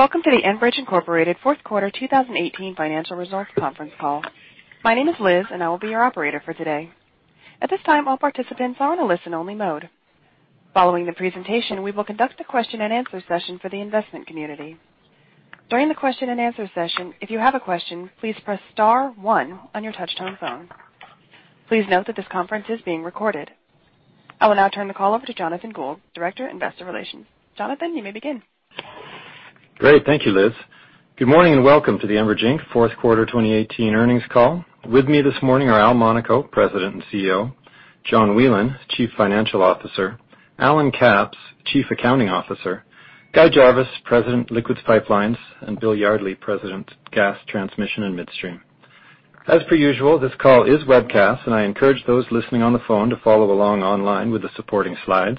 Welcome to the Enbridge Inc. Fourth Quarter 2018 Financial Results Conference Call. My name is Liz and I will be your operator for today. At this time, all participants are on a listen-only mode. Following the presentation, we will conduct a question and answer session for the investment community. During the question and answer session, if you have a question, please press star one on your touch-tone phone. Please note that this conference is being recorded. I will now turn the call over to Jonathan Gould, Director, Investor Relations. Jonathan, you may begin. Great. Thank you, Liz. Good morning. Welcome to the Enbridge Inc. Fourth Quarter 2018 Earnings Call. With me this morning are Al Monaco, President and CEO, John Whelen, Chief Financial Officer, Allen Capps, Chief Accounting Officer, Guy Jarvis, President, Liquids Pipelines, and Bill Yardley, President, Gas Transmission and Midstream. As per usual, this call is webcast. I encourage those listening on the phone to follow along online with the supporting slides.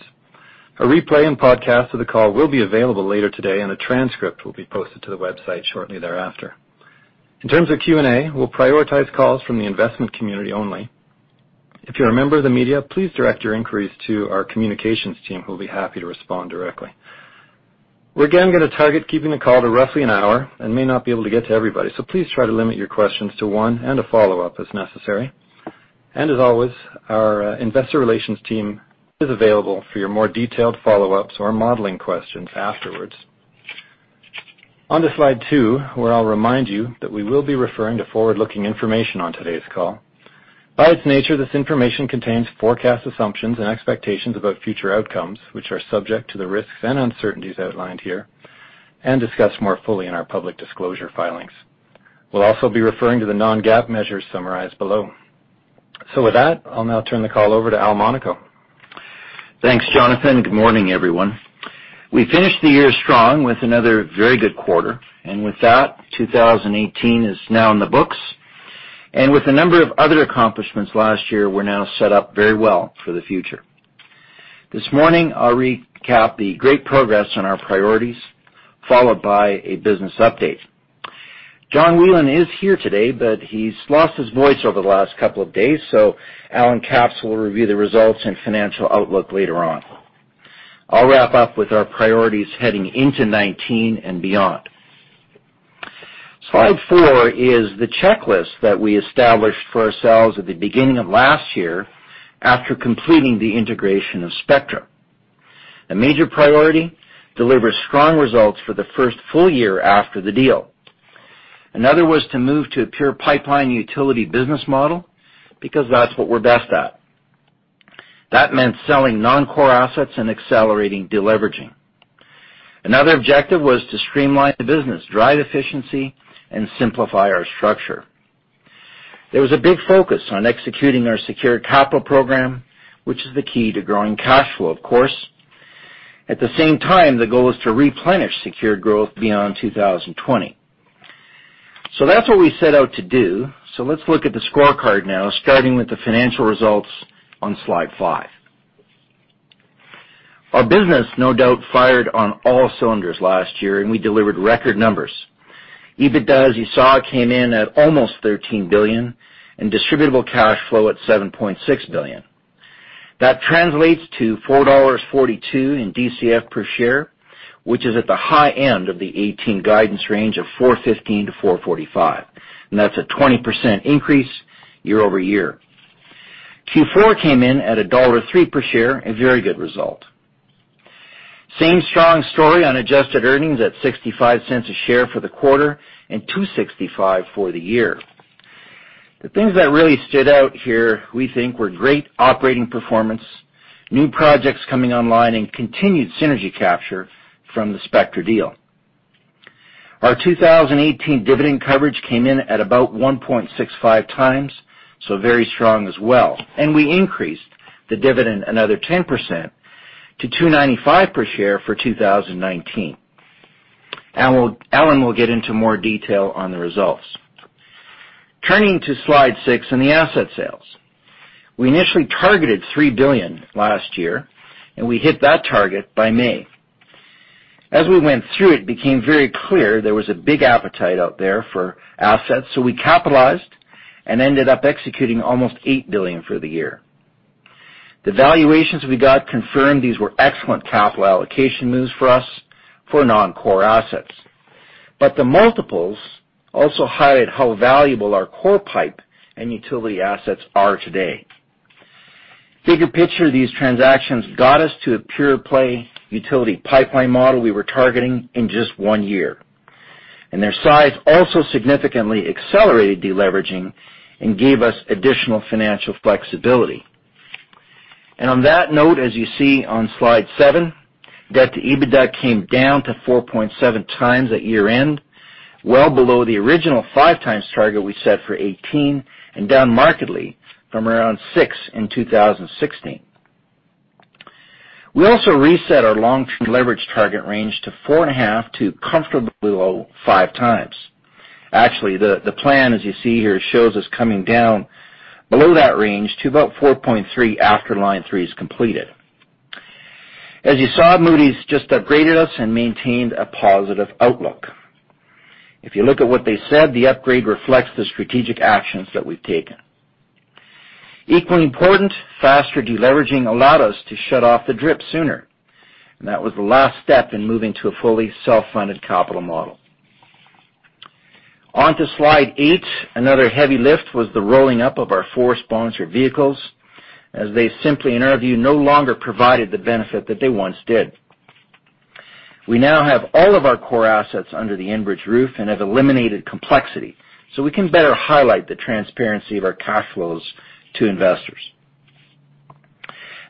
A replay and podcast of the call will be available later today. A transcript will be posted to the website shortly thereafter. In terms of Q&A, we'll prioritize calls from the investment community only. If you're a member of the media, please direct your inquiries to our communications team, who will be happy to respond directly. We're again going to target keeping the call to roughly an hour and may not be able to get to everybody. Please try to limit your questions to one and a follow-up as necessary. As always, our investor relations team is available for your more detailed follow-ups or modeling questions afterwards. On to slide two, where I'll remind you that we will be referring to forward-looking information on today's call. By its nature, this information contains forecast assumptions and expectations about future outcomes, which are subject to the risks and uncertainties outlined here and discussed more fully in our public disclosure filings. We'll also be referring to the non-GAAP measures summarized below. With that, I'll now turn the call over to Al Monaco. Thanks, Jonathan. Good morning, everyone. We finished the year strong with another very good quarter. With that, 2018 is now in the books. With a number of other accomplishments last year, we're now set up very well for the future. This morning, I'll recap the great progress on our priorities, followed by a business update. John Whelen is here today. He's lost his voice over the last couple of days. Allen Capps will review the results and financial outlook later on. I'll wrap up with our priorities heading into 2019 and beyond. Slide four is the checklist that we established for ourselves at the beginning of last year after completing the integration of Spectra. A major priority, deliver strong results for the first full year after the deal. Another was to move to a pure pipeline utility business model, because that's what we're best at. That meant selling non-core assets and accelerating de-leveraging. Another objective was to streamline the business, drive efficiency, and simplify our structure. There was a big focus on executing our secured capital program, which is the key to growing cash flow, of course. At the same time, the goal is to replenish secured growth beyond 2020. That's what we set out to do. Let's look at the scorecard now, starting with the financial results on slide five. Our business no doubt fired on all cylinders last year, and we delivered record numbers. EBITDA, as you saw, came in at almost CAD 13 billion and distributable cash flow at CAD 7.6 billion. That translates to CAD 4.42 in DCF per share, which is at the high end of the 2018 guidance range of CAD 4.15-CAD 4.45. That's a 20% increase year-over-year. Q4 came in at dollar 1.03 per share, a very good result. Same strong story on adjusted earnings at 0.65 a share for the quarter and 2.65 for the year. The things that really stood out here, we think, were great operating performance, new projects coming online, and continued synergy capture from the Spectra deal. Our 2018 dividend coverage came in at about 1.65x, very strong as well. We increased the dividend another 10% to 2.95 per share for 2019. Allen will get into more detail on the results. Turning to slide six and the asset sales. We initially targeted 3 billion last year, and we hit that target by May. As we went through it became very clear there was a big appetite out there for assets, so we capitalized and ended up executing almost 8 billion for the year. The valuations we got confirmed these were excellent capital allocation moves for us for non-core assets. The multiples also highlight how valuable our core pipe and utility assets are today. Bigger picture, these transactions got us to a pure-play utility pipeline model we were targeting in just one year. Their size also significantly accelerated de-leveraging and gave us additional financial flexibility. On that note, as you see on slide seven, debt to EBITDA came down to 4.7x at year-end, well below the original 5x target we set for 2018 and down markedly from around six in 2016. We also reset our long-term leverage target range to 4.5x to comfortably below 5x. Actually, the plan, as you see here, shows us coming down below that range to about 4.3x after Line 3 is completed. As you saw, Moody's just upgraded us and maintained a positive outlook. If you look at what they said, the upgrade reflects the strategic actions that we've taken. Equally important, faster deleveraging allowed us to shut off the DRIP sooner, and that was the last step in moving to a fully self-funded capital model. On to slide eight. Another heavy lift was the rolling up of our four sponsored vehicles, as they simply, in our view, no longer provided the benefit that they once did. We now have all of our core assets under the Enbridge roof and have eliminated complexity, so we can better highlight the transparency of our cash flows to investors.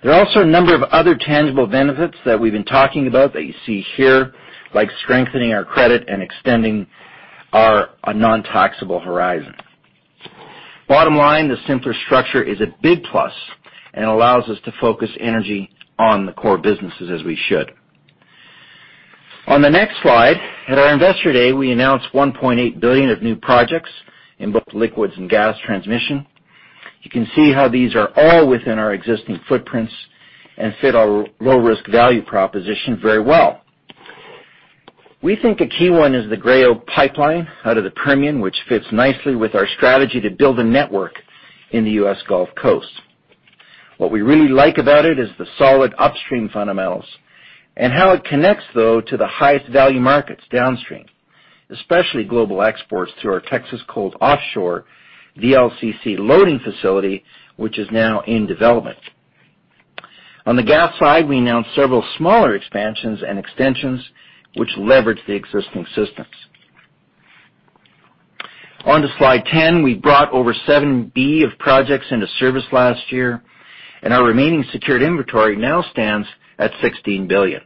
There are also a number of other tangible benefits that we've been talking about that you see here, like strengthening our credit and extending our non-taxable horizon. Bottom line, the simpler structure is a big plus and allows us to focus energy on the core businesses as we should. On the next slide, at our Enbridge Day, we announced 1.8 billion of new projects in both Liquids and Gas Transmission. You can see how these are all within our existing footprints and fit our low-risk value proposition very well. We think a key one is the Gray Oak Pipeline out of the Permian, which fits nicely with our strategy to build a network in the U.S. Gulf Coast. What we really like about it is the solid upstream fundamentals and how it connects, though, to the highest value markets downstream, especially global exports through our Texas COLT offshore VLCC loading facility, which is now in development. On the gas side, we announced several smaller expansions and extensions, which leverage the existing systems. On to slide 10. We brought over 7 billion of projects into service last year, and our remaining secured inventory now stands at 16 billion.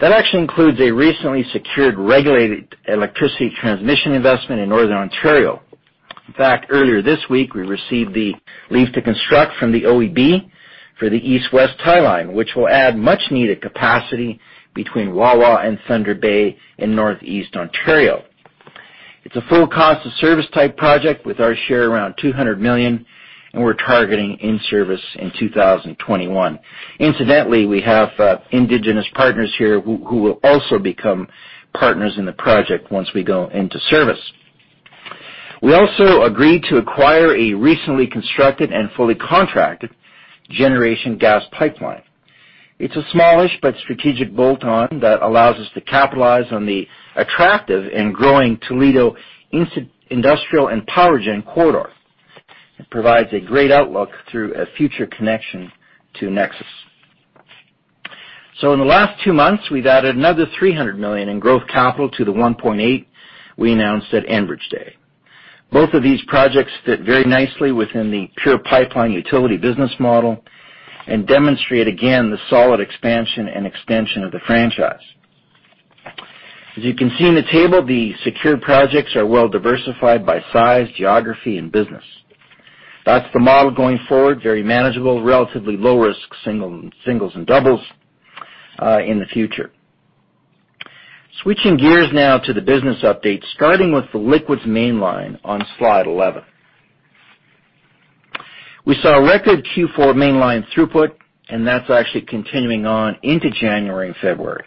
That actually includes a recently secured regulated electricity transmission investment in Northern Ontario. In fact, earlier this week, we received the leave to construct from the OEB for the East-West Tie Line, which will add much-needed capacity between Wawa and Thunder Bay in Northeast Ontario. It's a full cost of service-type project with our share around 200 million, and we're targeting in-service in 2021. Incidentally, we have Indigenous partners here who will also become partners in the project once we go into service. We also agreed to acquire a recently constructed and fully contracted generation gas pipeline. It's a smallish but strategic bolt-on that allows us to capitalize on the attractive and growing Toledo industrial and power gen corridor. It provides a great outlook through a future connection to NEXUS. In the last two months, we've added another 300 million in growth capital to the 1.8 billion we announced at Enbridge Day. Both of these projects fit very nicely within the pure pipeline utility business model and demonstrate again the solid expansion and extension of the franchise. As you can see in the table, the secured projects are well diversified by size, geography, and business. That's the model going forward, very manageable, relatively low risk, singles, and doubles in the future. Switching gears now to the business update, starting with the liquids mainline on slide 11. We saw a record Q4 mainline throughput, and that's actually continuing on into January and February.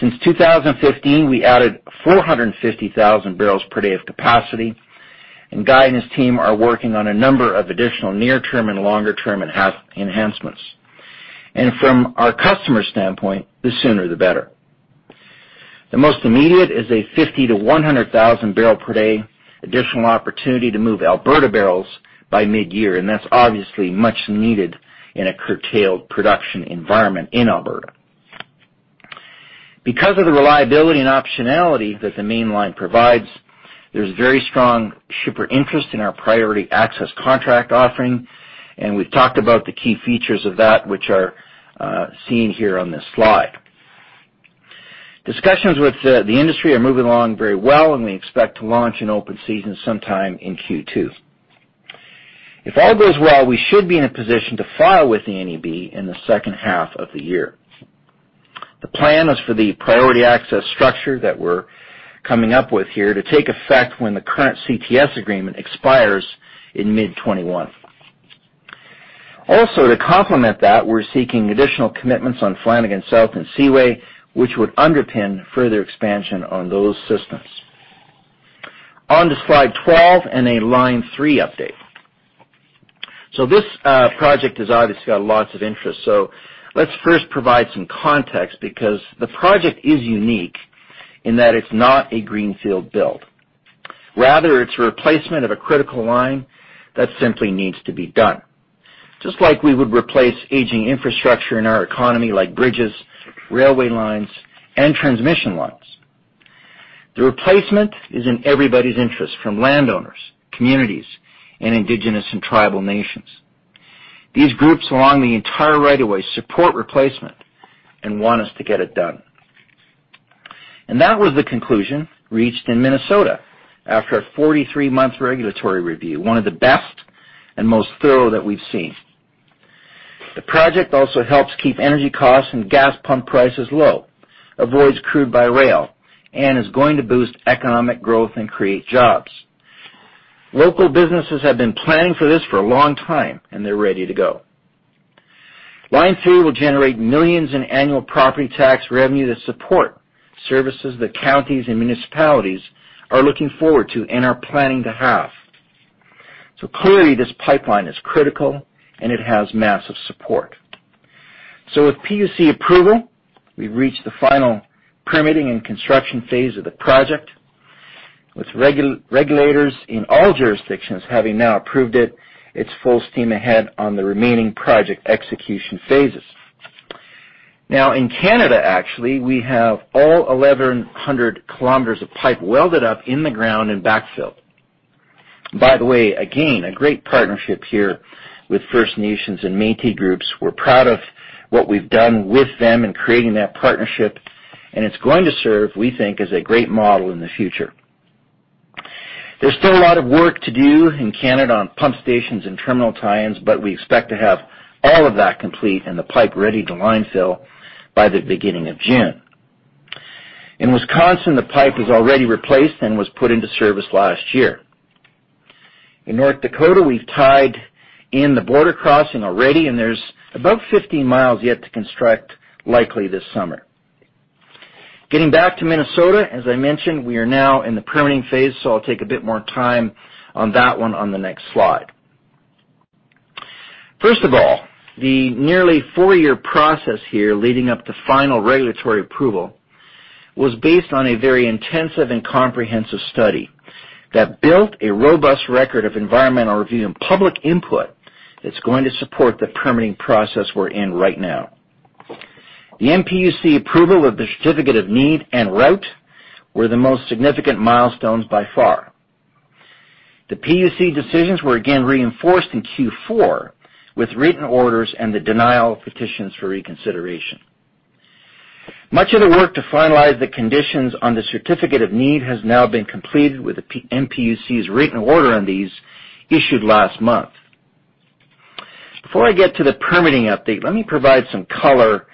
Since 2015, we added 450,000 bpd of capacity, and Guy and his team are working on a number of additional near-term and longer-term enhancements. From our customer standpoint, the sooner the better. The most immediate is a 50,000 bpd-100,000 bpd additional opportunity to move Alberta barrels by mid-year, and that's obviously much needed in a curtailed production environment in Alberta. Because of the reliability and optionality that the mainline provides, there's very strong shipper interest in our priority access contract offering, and we've talked about the key features of that, which are seen here on this slide. Discussions with the industry are moving along very well, and we expect to launch in open season sometime in Q2. If all goes well, we should be in a position to file with the NEB in the second half of the year. The plan is for the priority access structure that we're coming up with here to take effect when the current CTS agreement expires in mid-2021. To complement that, we're seeking additional commitments on Flanagan South and Seaway, which would underpin further expansion on those systems. On to slide 12 and a Line 3 update. This project has obviously got lots of interest. Let's first provide some context because the project is unique in that it's not a greenfield build. Rather, it's a replacement of a critical line that simply needs to be done. Just like we would replace aging infrastructure in our economy like bridges, railway lines, and transmission lines. The replacement is in everybody's interest, from landowners, communities, and Indigenous and tribal nations. These groups along the entire right of way support replacement and want us to get it done. That was the conclusion reached in Minnesota after a 43-month regulatory review, one of the best and most thorough that we've seen. The project also helps keep energy costs and gas pump prices low, avoids crude by rail, and is going to boost economic growth and create jobs. Local businesses have been planning for this for a long time, and they're ready to go. Line 3 will generate millions in annual property tax revenue to support services that counties and municipalities are looking forward to and are planning to have. Clearly, this pipeline is critical, and it has massive support. With PUC approval, we've reached the final permitting and construction phase of the project, with regulators in all jurisdictions having now approved it's full steam ahead on the remaining project execution phases. Now in Canada, actually, we have all 1,100 km of pipe welded up in the ground in backfill. By the way, again, a great partnership here with First Nations and Métis groups. We're proud of what we've done with them in creating that partnership, it's going to serve, we think, as a great model in the future. There's still a lot of work to do in Canada on pump stations and terminal tie-ins, we expect to have all of that complete and the pipe ready to line fill by the beginning of June. In Wisconsin, the pipe was already replaced and was put into service last year. In North Dakota, we've tied in the border crossing already, and there's about 15 mi yet to construct, likely this summer. Getting back to Minnesota, as I mentioned, we are now in the permitting phase, I'll take a bit more time on that one on the next slide. First of all, the nearly four-year process here leading up to final regulatory approval was based on a very intensive and comprehensive study that built a robust record of environmental review and public input that's going to support the permitting process we're in right now. The MPUC approval of the certificate of need and route were the most significant milestones by far. The PUC decisions were again reinforced in Q4 with written orders and the denial of petitions for reconsideration. Much of the work to finalize the conditions on the certificate of need has now been completed with the MPUC's written order on these issued last month. Before I get to the permitting update, let me provide some color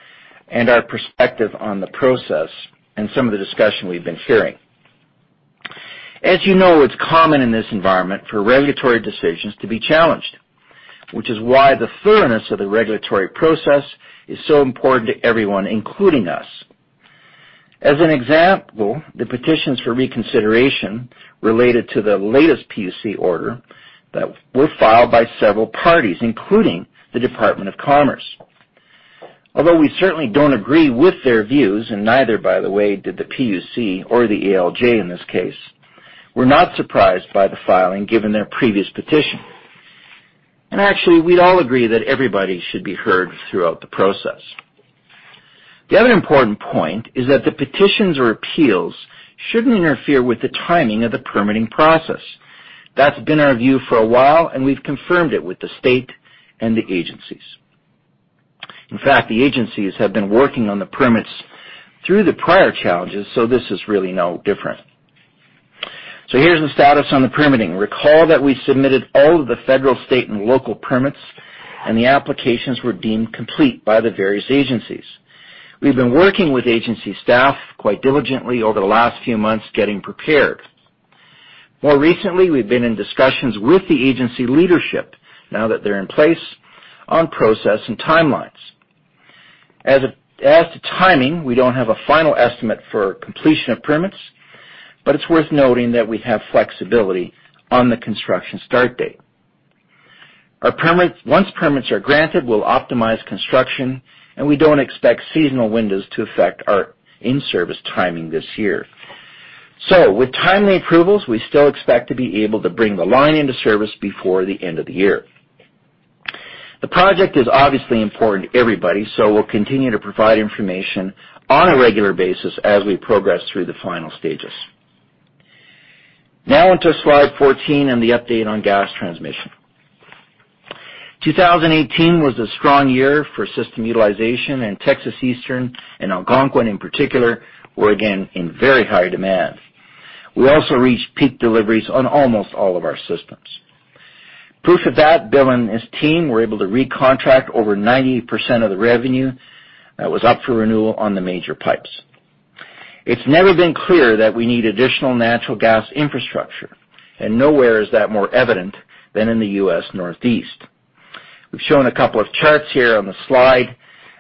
and our perspective on the process and some of the discussion we've been hearing. As you know, it's common in this environment for regulatory decisions to be challenged, which is why the thoroughness of the regulatory process is so important to everyone, including us. As an example, the petitions for reconsideration related to the latest PUC order that were filed by several parties, including the Department of Commerce. Although we certainly don't agree with their views, and neither, by the way, did the PUC or the ALJ in this case, we're not surprised by the filing given their previous petition. Actually, we all agree that everybody should be heard throughout the process. The other important point is that the petitions or appeals shouldn't interfere with the timing of the permitting process. That's been our view for a while, and we've confirmed it with the state and the agencies. In fact, the agencies have been working on the permits through the prior challenges, this is really no different. Here's the status on the permitting. Recall that we submitted all of the federal, state, and local permits, the applications were deemed complete by the various agencies. We've been working with agency staff quite diligently over the last few months, getting prepared. More recently, we've been in discussions with the agency leadership now that they're in place on process and timelines. As to timing, we don't have a final estimate for completion of permits, but it's worth noting that we have flexibility on the construction start date. Once permits are granted, we'll optimize construction and we don't expect seasonal windows to affect our in-service timing this year. With timely approvals, we still expect to be able to bring the line into service before the end of the year. The project is obviously important to everybody, so we'll continue to provide information on a regular basis as we progress through the final stages. Now on to slide 14 and the update on Gas Transmission. 2018 was a strong year for system utilization, Texas Eastern and Algonquin in particular, were again in very high demand. We also reached peak deliveries on almost all of our systems. Proof of that, Bill and his team were able to recontract over 90% of the revenue that was up for renewal on the major pipes. It's never been clear that we need additional natural gas infrastructure, and nowhere is that more evident than in the U.S. Northeast. We've shown a couple of charts here on the slide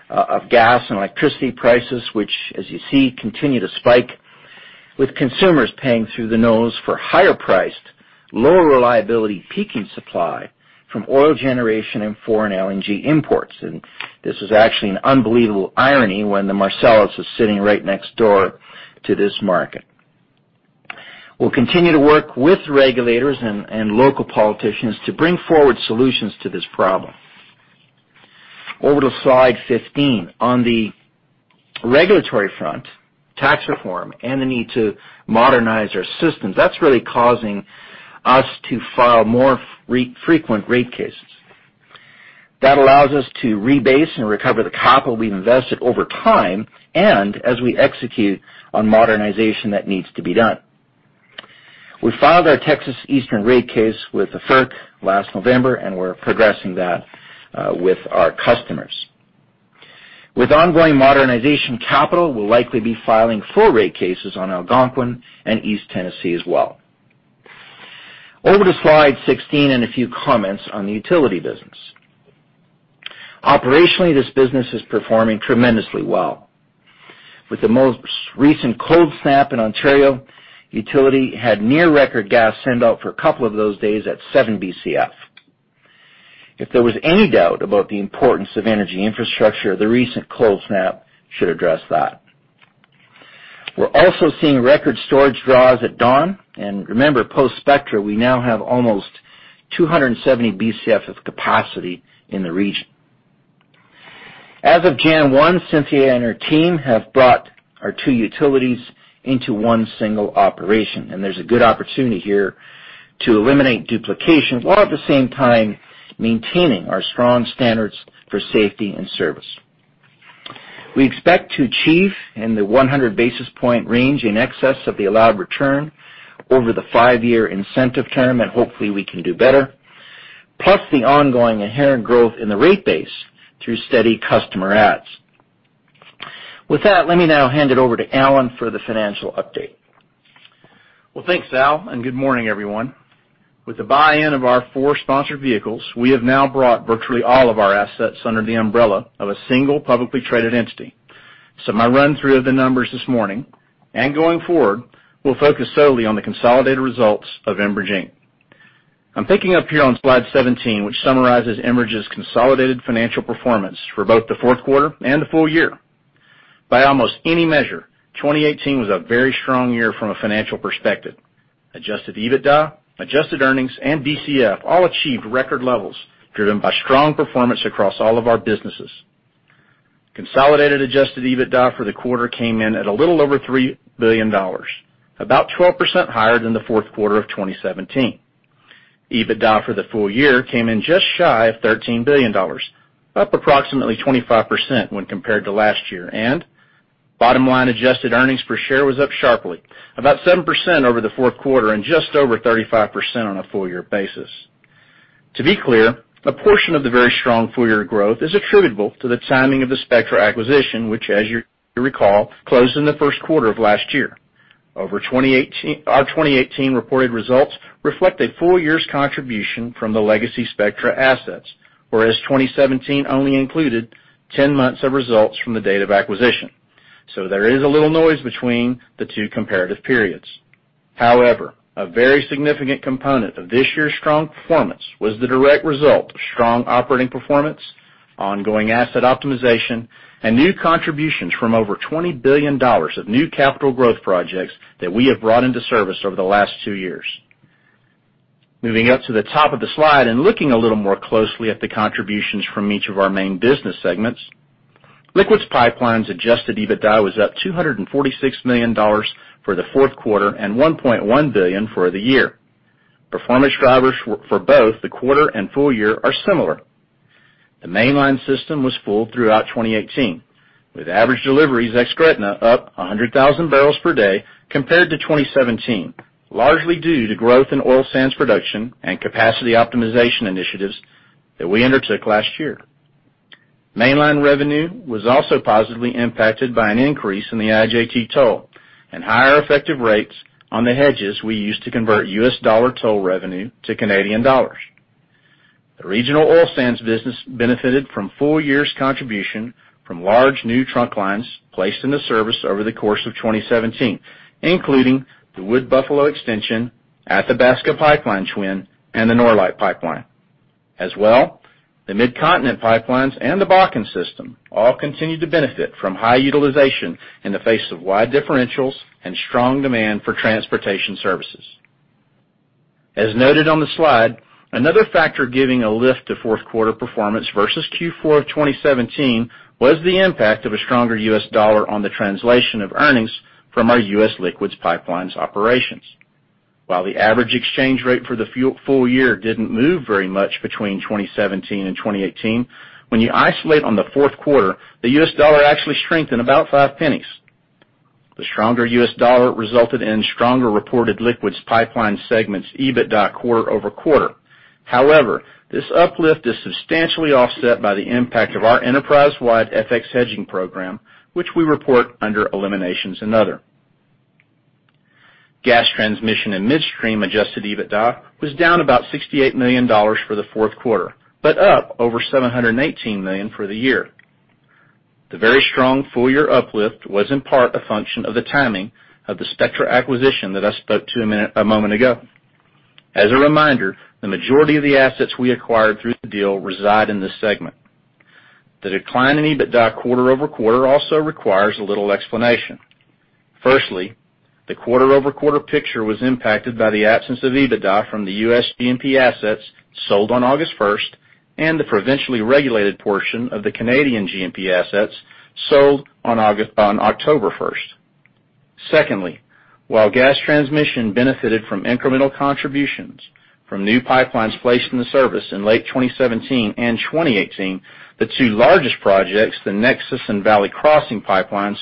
of gas and electricity prices, which as you see, continue to spike with consumers paying through the nose for higher-priced, lower-reliability peaking supply from oil generation and foreign LNG imports. This is actually an unbelievable irony when the Marcellus is sitting right next door to this market. We'll continue to work with regulators and local politicians to bring forward solutions to this problem. Over to slide 15. On the regulatory front, tax reform and the need to modernize our systems, that's really causing us to file more frequent rate cases. That allows us to rebase and recover the capital we've invested over time and as we execute on modernization that needs to be done. We filed our Texas Eastern rate case with the FERC last November, we're progressing that with our customers. With ongoing modernization capital, we'll likely be filing full rate cases on Algonquin and East Tennessee as well. To slide 16 and a few comments on the utility business. Operationally, this business is performing tremendously well. With the most recent cold snap in Ontario, utility had near record gas sendout for a couple of those days at 7 billion cubic feet. If there was any doubt about the importance of energy infrastructure, the recent cold snap should address that. We're also seeing record storage draws at Dawn, and remember, post Spectra, we now have almost 270 billion cubic feet of capacity in the region. As of January 1, Cynthia and her team have brought our two utilities into one single operation, and there's a good opportunity here to eliminate duplication, while at the same time maintaining our strong standards for safety and service. We expect to achieve in the 100 basis point range in excess of the allowed return over the five-year incentive term, and hopefully we can do better, plus the ongoing inherent growth in the rate base through steady customer adds. With that, let me now hand it over to Allen for the financial update. Well, thanks, Al, and good morning, everyone. With the buy-in of our four sponsored vehicles, we have now brought virtually all of our assets under the umbrella of a single publicly traded entity. My run-through of the numbers this morning and going forward, will focus solely on the consolidated results of Enbridge Inc. I'm picking up here on slide 17, which summarizes Enbridge's consolidated financial performance for both the fourth quarter and the full year. By almost any measure, 2018 was a very strong year from a financial perspective. Adjusted EBITDA, adjusted earnings, and DCF all achieved record levels, driven by strong performance across all of our businesses. Consolidated adjusted EBITDA for the quarter came in at a little over 3 billion dollars, about 12% higher than the fourth quarter of 2017. EBITDA for the full year came in just shy of 13 billion dollars, up approximately 25% when compared to last year. Bottom line adjusted earnings per share was up sharply, about 7% over the fourth quarter and just over 35% on a full-year basis. To be clear, a portion of the very strong full-year growth is attributable to the timing of the Spectra acquisition, which, as you recall, closed in the first quarter of last year. Our 2018 reported results reflect a full year's contribution from the legacy Spectra assets, whereas 2017 only included 10 months of results from the date of acquisition. There is a little noise between the two comparative periods. A very significant component of this year's strong performance was the direct result of strong operating performance, ongoing asset optimization, and new contributions from over 20 billion dollars of new capital growth projects that we have brought into service over the last two years. Moving up to the top of the slide and looking a little more closely at the contributions from each of our main business segments. Liquids Pipelines adjusted EBITDA was up 246 million dollars for the fourth quarter and 1.1 billion for the year. Performance drivers for both the quarter and full year are similar. The mainline system was full throughout 2018, with average deliveries ex-Gretna up 100,000 bpd compared to 2017, largely due to growth in oil sands production and capacity optimization initiatives that we undertook last year. Mainline revenue was also positively impacted by an increase in the IJT toll and higher effective rates on the hedges we used to convert U.S. dollar toll revenue to Canadian dollars. The regional oil sands business benefited from a full year's contribution from large new trunk lines placed into service over the course of 2017, including the Wood Buffalo Extension, Athabasca Pipeline Twin, and the Norlite Pipeline. As well, the midcontinent pipelines and the Bakken system all continued to benefit from high utilization in the face of wide differentials and strong demand for transportation services. As noted on the slide, another factor giving a lift to fourth quarter performance versus Q4 of 2017 was the impact of a stronger U.S. dollar on the translation of earnings from our U.S. Liquids Pipelines operations. While the average exchange rate for the full year didn't move very much between 2017 and 2018, when you isolate on the fourth quarter, the U.S. dollar actually strengthened about 0.05. The stronger U.S. dollar resulted in stronger reported Liquids Pipelines segments EBITDA quarter-over-quarter. This uplift is substantially offset by the impact of our enterprise-wide FX hedging program, which we report under eliminations and other. Gas Transmission and Midstream adjusted EBITDA was down about 68 million dollars for the fourth quarter, but up over 718 million for the year. The very strong full-year uplift was in part a function of the timing of the Spectra acquisition that I spoke to a moment ago. As a reminder, the majority of the assets we acquired through the deal reside in this segment. The decline in EBITDA quarter-over-quarter also requires a little explanation. Firstly, the quarter-over-quarter picture was impacted by the absence of EBITDA from the U.S. G&P assets sold on August 1st and the provincially regulated portion of the Canadian G&P assets sold on October 1st. Secondly, while Gas Transmission benefited from incremental contributions from new pipelines placed into service in late 2017 and 2018, the two largest projects, the NEXUS Gas Transmission and Valley Crossing Pipeline,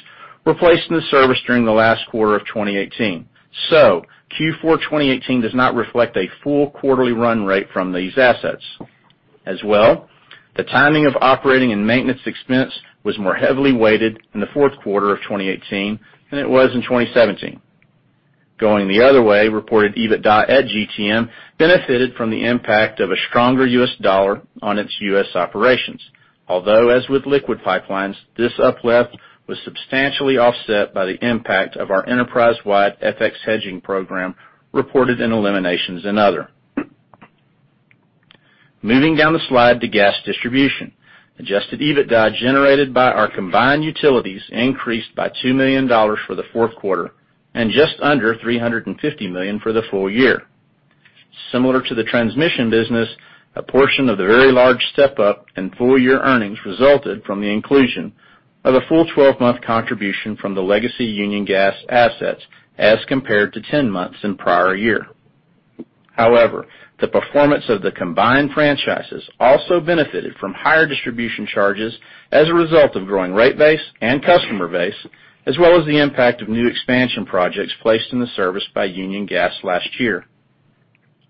were placed into service during the last quarter of 2018. Q4 2018 does not reflect a full quarterly run rate from these assets. As well, the timing of operating and maintenance expense was more heavily weighted in the fourth quarter of 2018 than it was in 2017. Going the other way, reported EBITDA at GTM benefited from the impact of a stronger U.S. dollar on its U.S. operations. As with Liquids Pipelines, this uplift was substantially offset by the impact of our enterprise-wide FX hedging program reported in Eliminations and Other. Moving down the slide to Gas Distribution. Adjusted EBITDA generated by our combined utilities increased by 2 million dollars for the fourth quarter and just under 350 million for the full year. Similar to the transmission business, a portion of the very large step-up in full year earnings resulted from the inclusion of a full 12-month contribution from the legacy Union Gas assets as compared to 10 months in prior year. The performance of the combined franchises also benefited from higher distribution charges as a result of growing rate base and customer base, as well as the impact of new expansion projects placed in the service by Union Gas last year.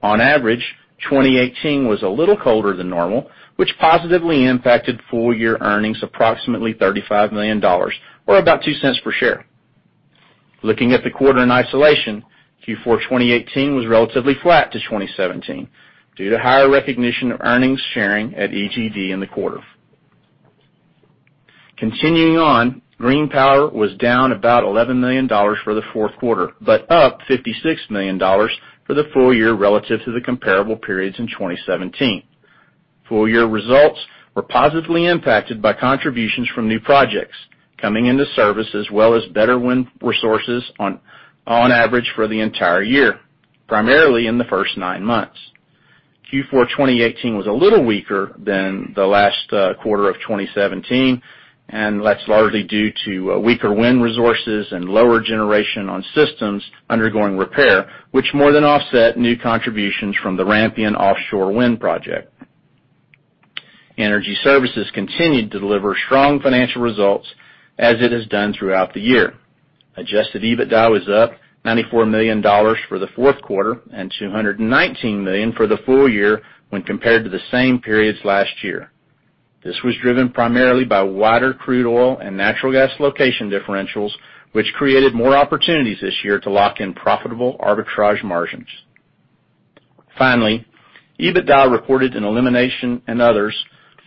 On average, 2018 was a little colder than normal, which positively impacted full year earnings approximately 35 million dollars or about 0.02 per share. Looking at the quarter in isolation, Q4 2018 was relatively flat to 2017 due to higher recognition of earnings sharing at EGD in the quarter. Continuing on, Green Power was down about 11 million dollars for the fourth quarter, but up 56 million dollars for the full year relative to the comparable periods in 2017. Full year results were positively impacted by contributions from new projects coming into service, as well as better wind resources on average for the entire year, primarily in the first nine months. Q4 2018 was a little weaker than the last quarter of 2017. That's largely due to weaker wind resources and lower generation on systems undergoing repair, which more than offset new contributions from the Rampion Offshore wind project. Energy Services continued to deliver strong financial results as it has done throughout the year. Adjusted EBITDA was up 94 million dollars for the fourth quarter and 219 million for the full year when compared to the same periods last year. This was driven primarily by wider crude oil and natural gas location differentials, which created more opportunities this year to lock in profitable arbitrage margins. EBITDA reported in Eliminations and Other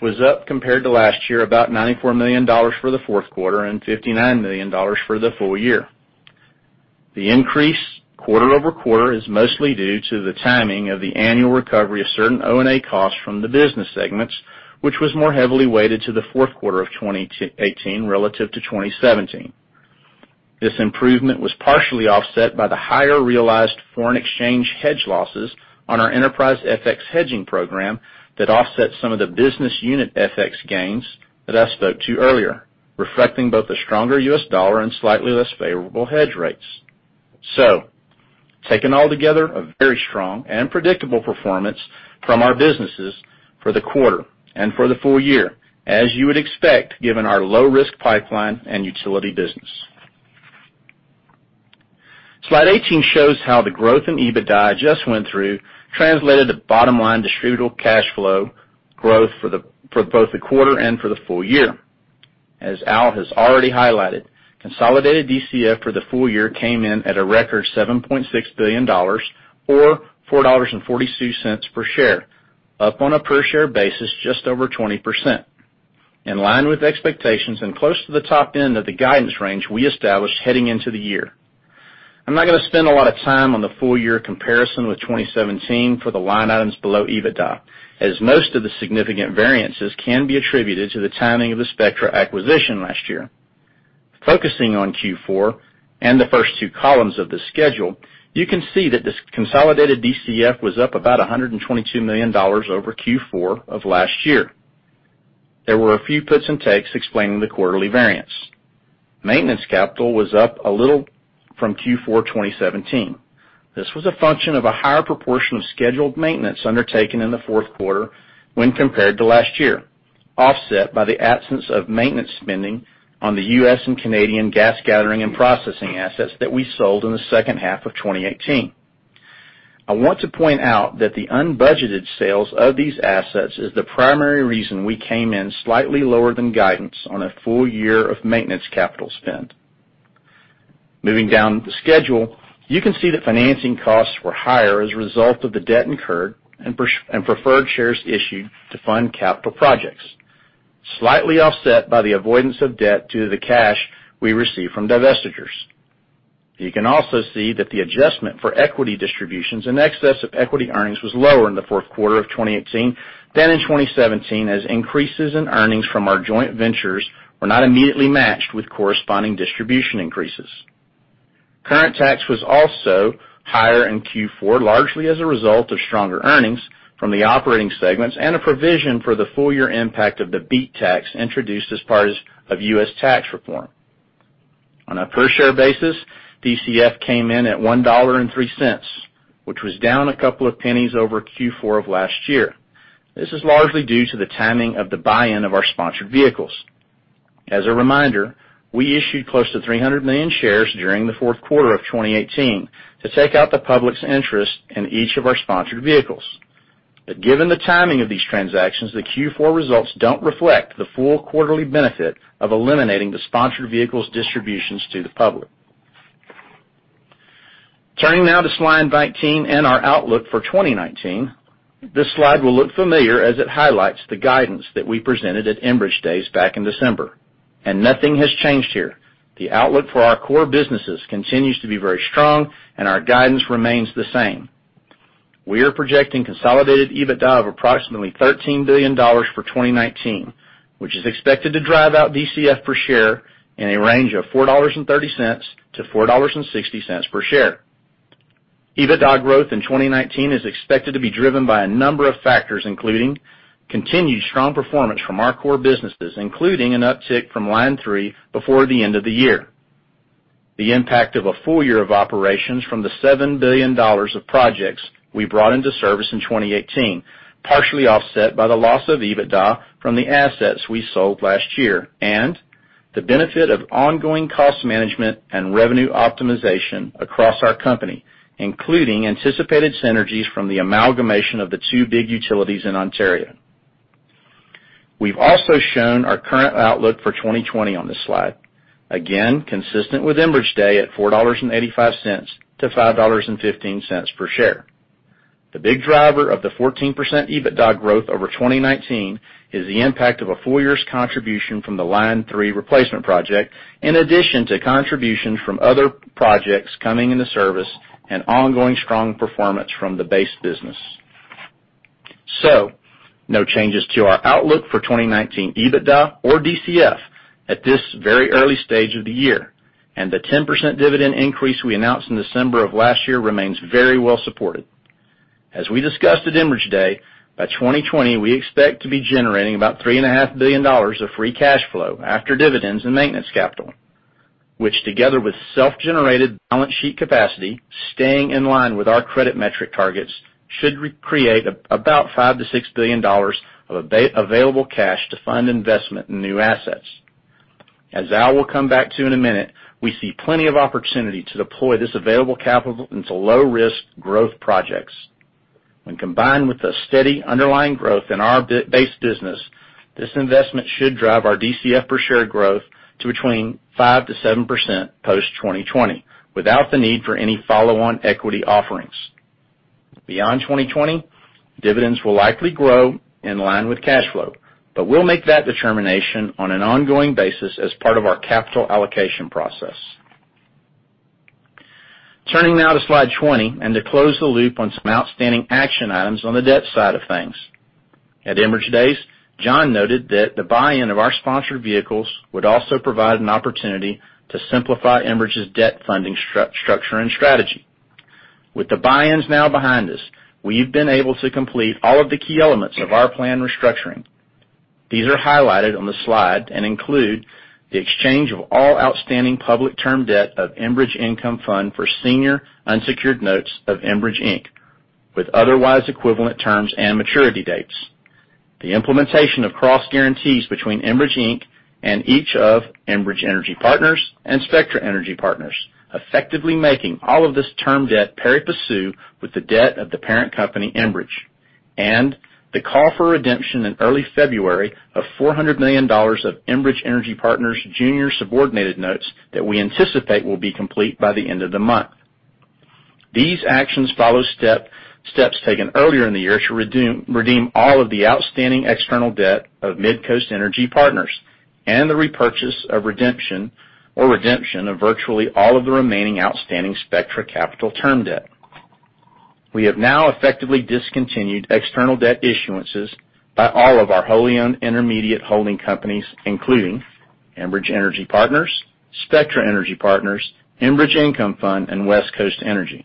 was up compared to last year, about 94 million dollars for the fourth quarter and 59 million dollars for the full year. The increase quarter-over-quarter is mostly due to the timing of the annual recovery of certain O&A costs from the business segments, which was more heavily weighted to the fourth quarter of 2018 relative to 2017. This improvement was partially offset by the higher realized foreign exchange hedge losses on our enterprise FX hedging program that offset some of the business unit FX gains that I spoke to earlier. Reflecting both a stronger U.S. dollar and slightly less favorable hedge rates. Taken all together, a very strong and predictable performance from our businesses for the quarter and for the full year, as you would expect, given our low risk pipeline and utility business. Slide 18 shows how the growth in EBITDA I just went through translated to bottom-line distributable cash flow growth for both the quarter and for the full year. As Al has already highlighted, consolidated DCF for the full year came in at a record 7.6 billion dollars or 4.42 dollars per share, up on a per share basis just over 20%. In line with expectations and close to the top end of the guidance range we established heading into the year. I'm not going to spend a lot of time on the full year comparison with 2017 for the line items below EBITDA, as most of the significant variances can be attributed to the timing of the Spectra acquisition last year. Focusing on Q4 and the first two columns of this schedule, you can see that the consolidated DCF was up about 122 million dollars over Q4 of last year. There were a few puts and takes explaining the quarterly variance. Maintenance capital was up a little from Q4 2017. This was a function of a higher proportion of scheduled maintenance undertaken in the fourth quarter when compared to last year, offset by the absence of maintenance spending on the U.S. and Canadian gas gathering and processing assets that we sold in the second half of 2018. I want to point out that the unbudgeted sales of these assets is the primary reason we came in slightly lower than guidance on a full year of maintenance capital spend. Moving down the schedule, you can see that financing costs were higher as a result of the debt incurred and preferred shares issued to fund capital projects, slightly offset by the avoidance of debt due to the cash we received from divestitures. You can also see that the adjustment for equity distributions in excess of equity earnings was lower in the fourth quarter of 2018 than in 2017, as increases in earnings from our joint ventures were not immediately matched with corresponding distribution increases. Current tax was also higher in Q4, largely as a result of stronger earnings from the operating segments and a provision for the full year impact of the BEAT tax introduced as part of U.S. tax reform. On a per share basis, DCF came in at 1.03 dollar, which was down a couple of pennies over Q4 of last year. This is largely due to the timing of the buy-in of our sponsored vehicles. As a reminder, we issued close to 300 million shares during the fourth quarter of 2018 to take out the public's interest in each of our sponsored vehicles. Given the timing of these transactions, the Q4 results don't reflect the full quarterly benefit of eliminating the sponsored vehicles' distributions to the public. Turning now to slide 19 and our outlook for 2019. This slide will look familiar as it highlights the guidance that we presented at Enbridge Day back in December, and nothing has changed here. The outlook for our core businesses continues to be very strong, and our guidance remains the same. We are projecting consolidated EBITDA of approximately 13 billion dollars for 2019, which is expected to drive out DCF per share in a range of 4.30-4.60 dollars per share. EBITDA growth in 2019 is expected to be driven by a number of factors, including continued strong performance from our core businesses, including an uptick from Line 3 before the end of the year. The impact of a full year of operations from the 7 billion dollars of projects we brought into service in 2018, partially offset by the loss of EBITDA from the assets we sold last year, and the benefit of ongoing cost management and revenue optimization across our company, including anticipated synergies from the amalgamation of the two big utilities in Ontario. We've also shown our current outlook for 2020 on this slide. Consistent with Enbridge Day at 4.85-5.15 dollars per share. The big driver of the 14% EBITDA growth over 2019 is the impact of a full year's contribution from the Line 3 replacement project, in addition to contributions from other projects coming into service and ongoing strong performance from the base business. No changes to our outlook for 2019 EBITDA or DCF at this very early stage of the year. The 10% dividend increase we announced in December of last year remains very well supported. As we discussed at Enbridge Day, by 2020, we expect to be generating about 3.5 billion dollars of free cash flow after dividends and maintenance capital, which together with self-generated balance sheet capacity staying in line with our credit metric targets, should create about 5 billion-6 billion dollars of available cash to fund investment in new assets. As Al will come back to in a minute, we see plenty of opportunity to deploy this available capital into low risk growth projects. When combined with a steady underlying growth in our base business, this investment should drive our DCF per share growth to between 5%-7% post-2020 without the need for any follow-on equity offerings. Beyond 2020, dividends will likely grow in line with cash flow, we'll make that determination on an ongoing basis as part of our capital allocation process. Turning now to slide 20, to close the loop on some outstanding action items on the debt side of things. At Enbridge Day, John noted that the buy-in of our sponsored vehicles would also provide an opportunity to simplify Enbridge's debt funding structure and strategy. With the buy-ins now behind us, we've been able to complete all of the key elements of our plan restructuring. These are highlighted on the slide and include the exchange of all outstanding public term debt of Enbridge Income Fund for senior unsecured notes of Enbridge Inc., with otherwise equivalent terms and maturity dates. The implementation of cross guarantees between Enbridge Inc. and each of Enbridge Energy Partners and Spectra Energy Partners, effectively making all of this term debt pari passu with the debt of the parent company, Enbridge. The call for redemption in early February of 400 million dollars of Enbridge Energy Partners junior subordinated notes that we anticipate will be complete by the end of the month. These actions follow steps taken earlier in the year to redeem all of the outstanding external debt of Midcoast Energy Partners and the repurchase of redemption or redemption of virtually all of the remaining outstanding Spectra Capital term debt. We have now effectively discontinued external debt issuances by all of our wholly owned intermediate holding companies, including Enbridge Energy Partners, Spectra Energy Partners, Enbridge Income Fund, and Westcoast Energy.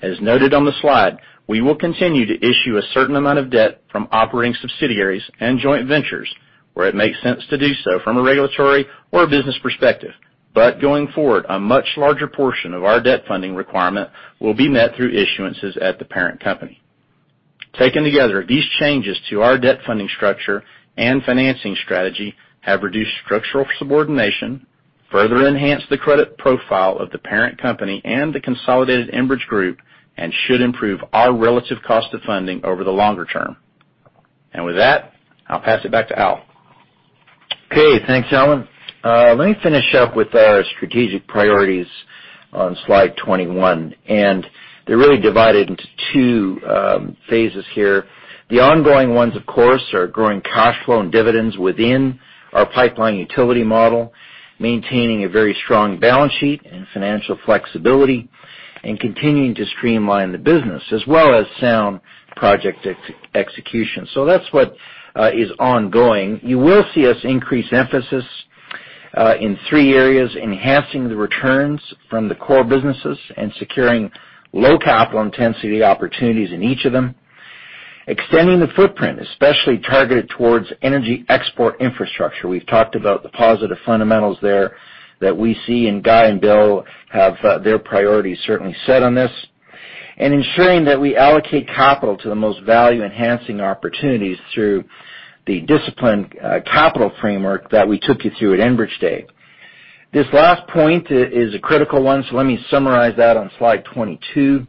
As noted on the slide, we will continue to issue a certain amount of debt from operating subsidiaries and joint ventures where it makes sense to do so from a regulatory or a business perspective. Going forward, a much larger portion of our debt funding requirement will be met through issuances at the parent company. Taken together, these changes to our debt funding structure and financing strategy have reduced structural subordination, further enhanced the credit profile of the parent company and the consolidated Enbridge group, and should improve our relative cost of funding over the longer term. With that, I'll pass it back to Al. Okay, thanks, Allen. Let me finish up with our strategic priorities on slide 21. They're really divided into two phases here. The ongoing ones, of course, are growing cash flow and dividends within our pipeline utility model, maintaining a very strong balance sheet and financial flexibility, and continuing to streamline the business as well as sound project execution. That's what is ongoing. You will see us increase emphasis in three areas, enhancing the returns from the core businesses and securing low capital intensity opportunities in each of them. Extending the footprint, especially targeted towards energy export infrastructure. We've talked about the positive fundamentals there that we see, and Guy and Bill have their priorities certainly set on this. And ensuring that we allocate capital to the most value-enhancing opportunities through the disciplined capital framework that we took you through at Enbridge Day. This last point is a critical one. Let me summarize that on slide 22.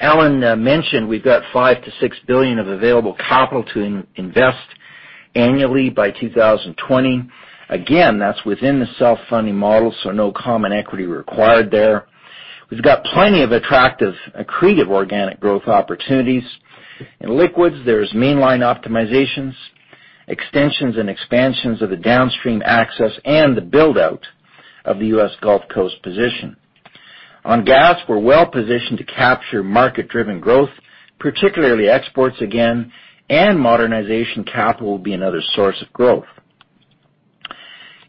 Allen mentioned we've got 5 billion-6 billion of available capital to invest annually by 2020. That's within the self-funding model, no common equity required there. We've got plenty of attractive accretive organic growth opportunities. In liquids, there's mainline optimizations, extensions and expansions of the downstream access, and the build-out of the U.S. Gulf Coast position. On gas, we're well-positioned to capture market-driven growth, particularly exports again, and modernization capital will be another source of growth.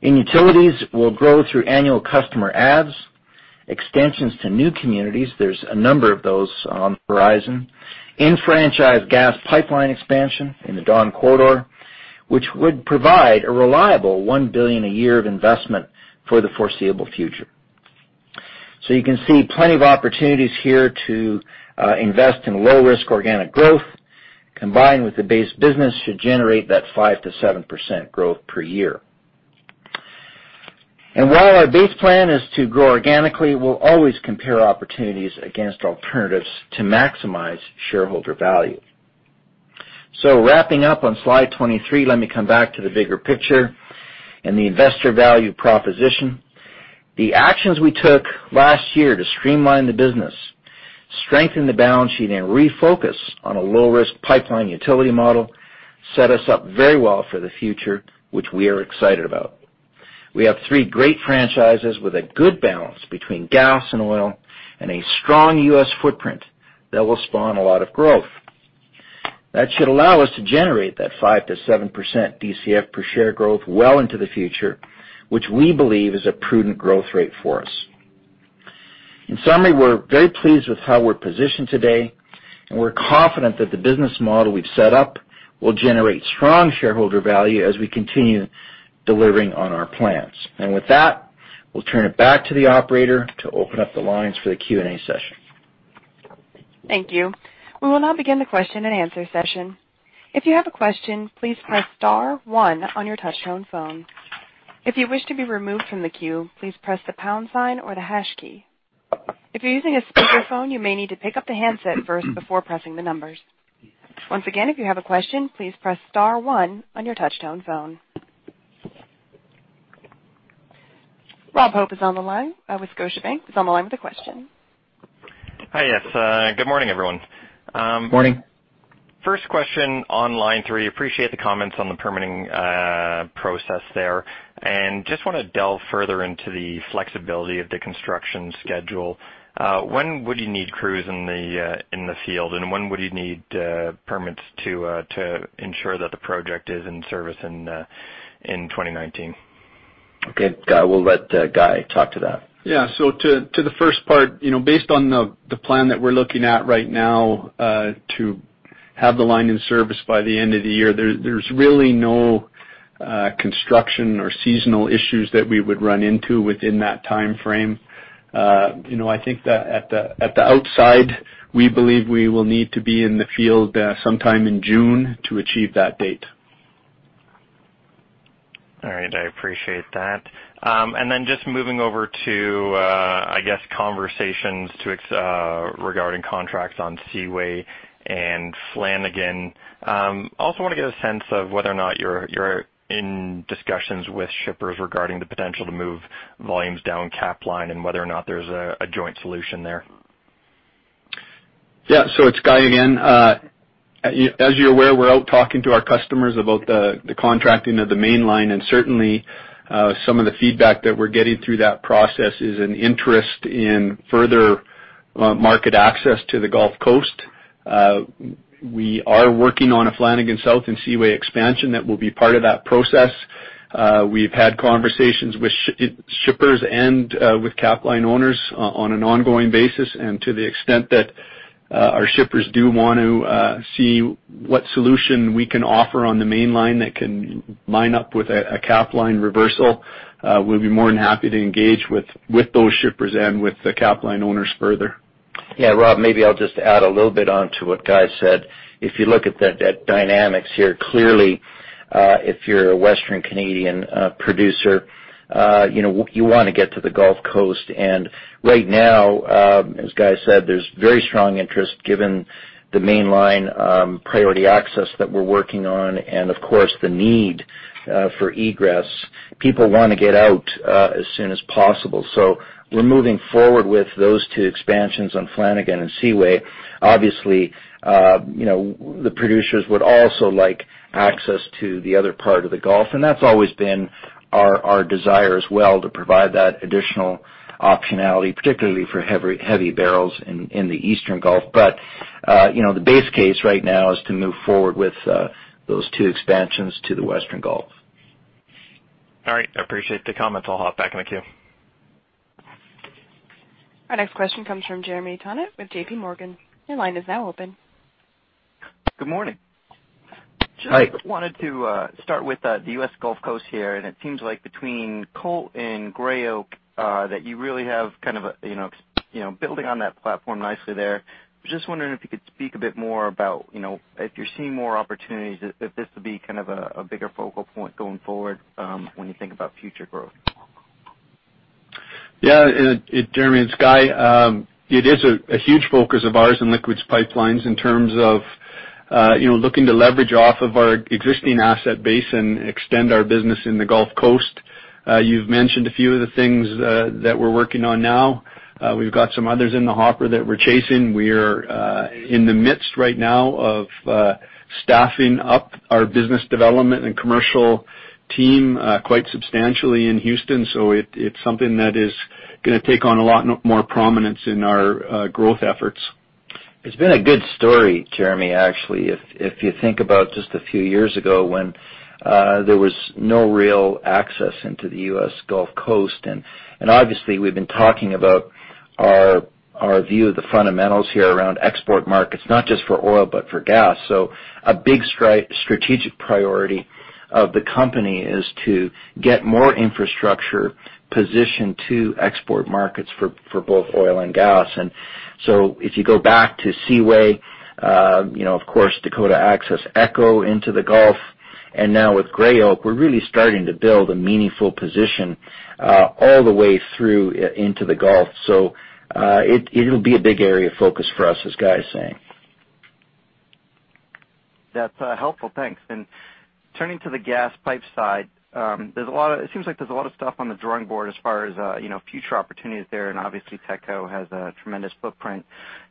In utilities, we'll grow through annual customer adds, extensions to new communities, there's a number of those on the horizon, enfranchised gas pipeline expansion in the Dawn Corridor, which would provide a reliable 1 billion a year of investment for the foreseeable future. You can see plenty of opportunities here to invest in low-risk organic growth, combined with the base business to generate that 5%-7% growth per year. While our base plan is to grow organically, we'll always compare opportunities against alternatives to maximize shareholder value. Wrapping up on slide 23, let me come back to the bigger picture and the investor value proposition. The actions we took last year to streamline the business, strengthen the balance sheet, and refocus on a low-risk pipeline utility model set us up very well for the future, which we are excited about. We have three great franchises with a good balance between gas and oil and a strong U.S. footprint that will spawn a lot of growth. That should allow us to generate that 5%-7% DCF per share growth well into the future, which we believe is a prudent growth rate for us. In summary, we're very pleased with how we're positioned today, and we're confident that the business model we've set up will generate strong shareholder value as we continue delivering on our plans. With that, we'll turn it back to the operator to open up the lines for the Q&A session. Thank you. We will now begin the question and answer session. If you have a question, please press star one on your touch-tone phone. If you wish to be removed from the queue, please press the pound sign or the hash key. If you're using a speakerphone, you may need to pick up the handset first before pressing the numbers. Once again, if you have a question, please press star one on your touch-tone phone. Rob Hope is on the line, with Scotiabank is on the line with a question. Hi, yes. Good morning, everyone. Morning. First question on Line 3. Appreciate the comments on the permitting process there. Just want to delve further into the flexibility of the construction schedule. When would you need crews in the field, and when would you need permits to ensure that the project is in service in 2019? Okay. We'll let Guy talk to that. To the first part, based on the plan that we're looking at right now to have the line in service by the end of the year, there's really no construction or seasonal issues that we would run into within that timeframe. I think that at the outside, we believe we will need to be in the field sometime in June to achieve that date. All right. I appreciate that. Just moving over to conversations regarding contracts on Seaway and Flanagan. Also want to get a sense of whether or not you're in discussions with shippers regarding the potential to move volumes down cap line and whether or not there's a joint solution there. It's Guy again. As you're aware, we're out talking to our customers about the contracting of the mainline, and certainly, some of the feedback that we're getting through that process is an interest in further market access to the Gulf Coast. We are working on a Flanagan South and Seaway expansion that will be part of that process. We've had conversations with shippers and with cap line owners on an ongoing basis. To the extent that our shippers do want to see what solution we can offer on the mainline that can line up with a cap line reversal, we'll be more than happy to engage with those shippers and with the cap line owners further. Rob, maybe I'll just add a little bit onto what Guy said. If you look at the dynamics here, clearly, if you're a Western Canadian producer you want to get to the Gulf Coast. Right now, as Guy said, there's very strong interest given the mainline priority access that we're working on and, of course, the need for egress. People want to get out as soon as possible. We're moving forward with those two expansions on Flanagan and Seaway. Obviously, the producers would also like access to the other part of the Gulf, that's always been our desire as well to provide that additional optionality, particularly for heavy barrels in the Eastern Gulf. The base case right now is to move forward with those two expansions to the Western Gulf. All right. I appreciate the comments. I'll hop back in the queue. Our next question comes from Jeremy Tonet with JPMorgan. Your line is now open. Good morning. Hi. I just wanted to start with the U.S. Gulf Coast here. It seems like between Colt and Gray Oak that you really have building on that platform nicely there. I was just wondering if you could speak a bit more about if you're seeing more opportunities, if this would be a bigger focal point going forward when you think about future growth. Yeah. Jeremy, it's Guy. It is a huge focus of ours in Liquids Pipelines in terms of looking to leverage off of our existing asset base and extend our business in the Gulf Coast. You've mentioned a few of the things that we're working on now. We've got some others in the hopper that we're chasing. We're in the midst right now of staffing up our business development and commercial team quite substantially in Houston. It's something that is going to take on a lot more prominence in our growth efforts. It's been a good story, Jeremy, actually, if you think about just a few years ago when there was no real access into the U.S. Gulf Coast. Obviously, we've been talking about our view of the fundamentals here around export markets, not just for oil but for gas. A big strategic priority of the company is to get more infrastructure positioned to export markets for both oil and gas. If you go back to Seaway, of course, Dakota Access, ECHO into the Gulf, and now with Gray Oak, we're really starting to build a meaningful position all the way through into the Gulf. It'll be a big area of focus for us, as Guy is saying. That's helpful. Thanks. Turning to the gas pipe side, it seems like there's a lot of stuff on the drawing board as far as future opportunities there, and obviously, TETCO has a tremendous footprint.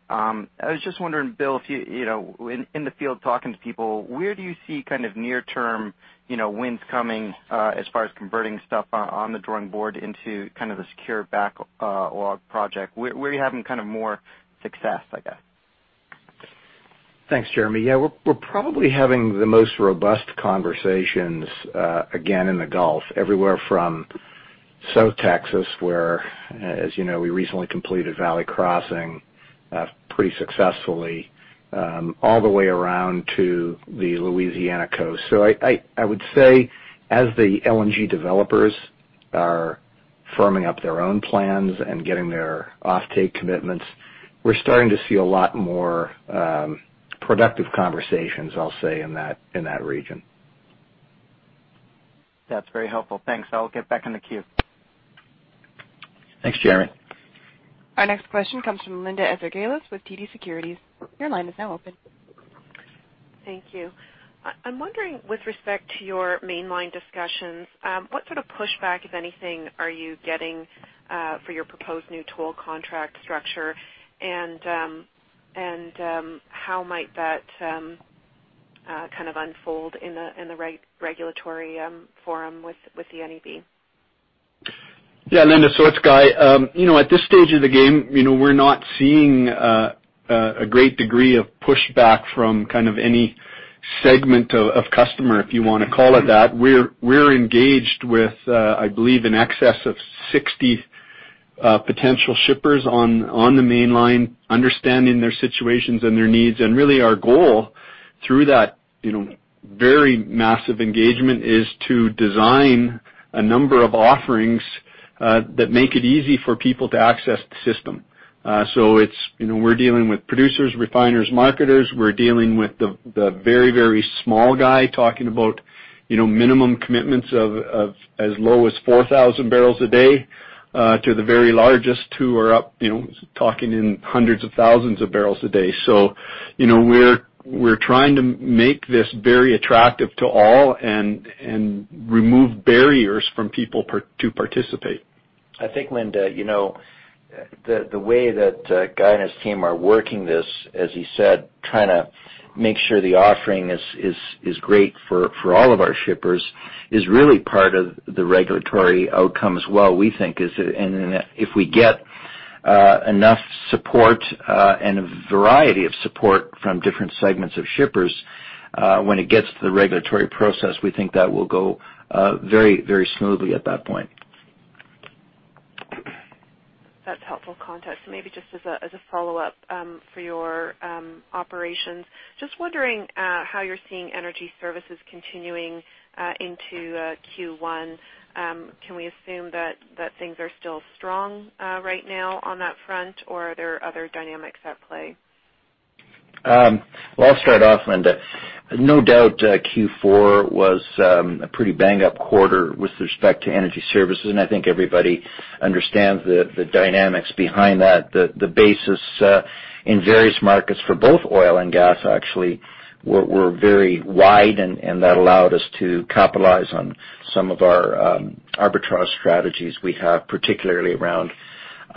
I was just wondering, Bill, in the field talking to people, where do you see near-term wins coming as far as converting stuff on the drawing board into a secure backlog project? Where are you having more success, I guess? Thanks, Jeremy. Yeah, we're probably having the most robust conversations, again, in the Gulf, everywhere from South Texas, where, as you know, we recently completed Valley Crossing pretty successfully all the way around to the Louisiana Coast. I would say as the LNG developers are firming up their own plans and getting their offtake commitments, we're starting to see a lot more productive conversations, I'll say, in that region. That's very helpful. Thanks. I'll get back in the queue. Thanks, Jeremy. Our next question comes from Linda Ezergailis with TD Securities. Your line is now open. Thank you. I'm wondering with respect to your mainline discussions, what sort of pushback, if anything, are you getting for your proposed new toll contract structure and how might that unfold in the regulatory forum with the NEB? Yeah, Linda. It's Guy. At this stage of the game, we're not seeing a great degree of pushback from any segment of customer, if you want to call it that. We're engaged with, I believe, in excess of 60 potential shippers on the mainline, understanding their situations and their needs. Really, our goal through that very massive engagement is to design a number of offerings that make it easy for people to access the system. We're dealing with producers, refiners, marketers. We're dealing with the very small guy talking about minimum commitments of as low as 4,000 bpd to the very largest who are up talking in hundreds of thousands of barrels a day. We're trying to make this very attractive to all and remove barriers from people to participate. I think, Linda, the way that Guy and his team are working this, as he said, trying to make sure the offering is great for all of our shippers is really part of the regulatory outcome as well, we think. If we get enough support and a variety of support from different segments of shippers when it gets to the regulatory process, we think that will go very smoothly at that point. That's helpful context. Maybe just as a follow-up for your operations, just wondering how you're seeing Energy Services continuing into Q1. Can we assume that things are still strong right now on that front, or are there other dynamics at play? Well, I'll start off, Linda. No doubt Q4 was a pretty bang-up quarter with respect to Energy Services, and I think everybody understands the dynamics behind that. The basis in various markets for both oil and gas actually were very wide, and that allowed us to capitalize on some of our arbitrage strategies we have, particularly around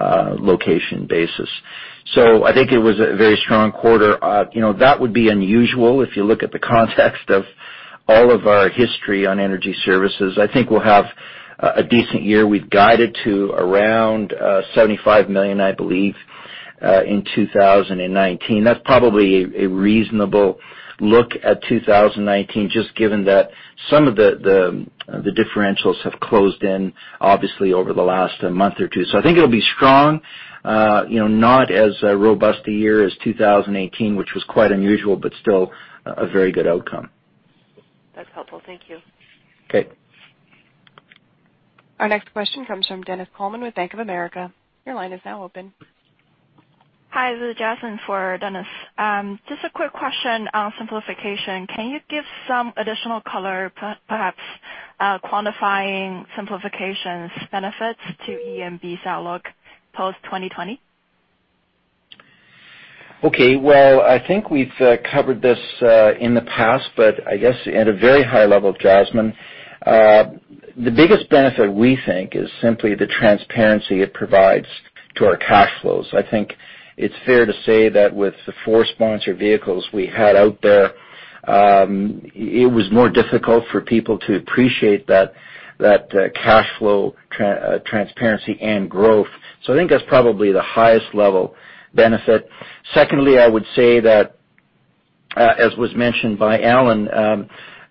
location basis. I think it was a very strong quarter. I think we'll have a decent year. We've guided to around 75 million, I believe, in 2019. That's probably a reasonable look at 2019, just given that some of the differentials have closed in, obviously, over the last month or two. I think it'll be strong. Not as robust a year as 2018, which was quite unusual, but still a very good outcome. That's helpful. Thank you. Okay. Our next question comes from Dennis Coleman with Bank of America. Your line is now open. Hi, this is Jasmine for Dennis. Just a quick question on simplification. Can you give some additional color, perhaps quantifying simplification's benefits to ENB's outlook post 2020? Okay. Well, I think we've covered this in the past, but I guess at a very high level, Jasmine, the biggest benefit we think is simply the transparency it provides to our cash flows. I think it's fair to say that with the four sponsored vehicles we had out there, it was more difficult for people to appreciate that cash flow transparency and growth. I think that's probably the highest level benefit. Secondly, I would say that, as was mentioned by Allen,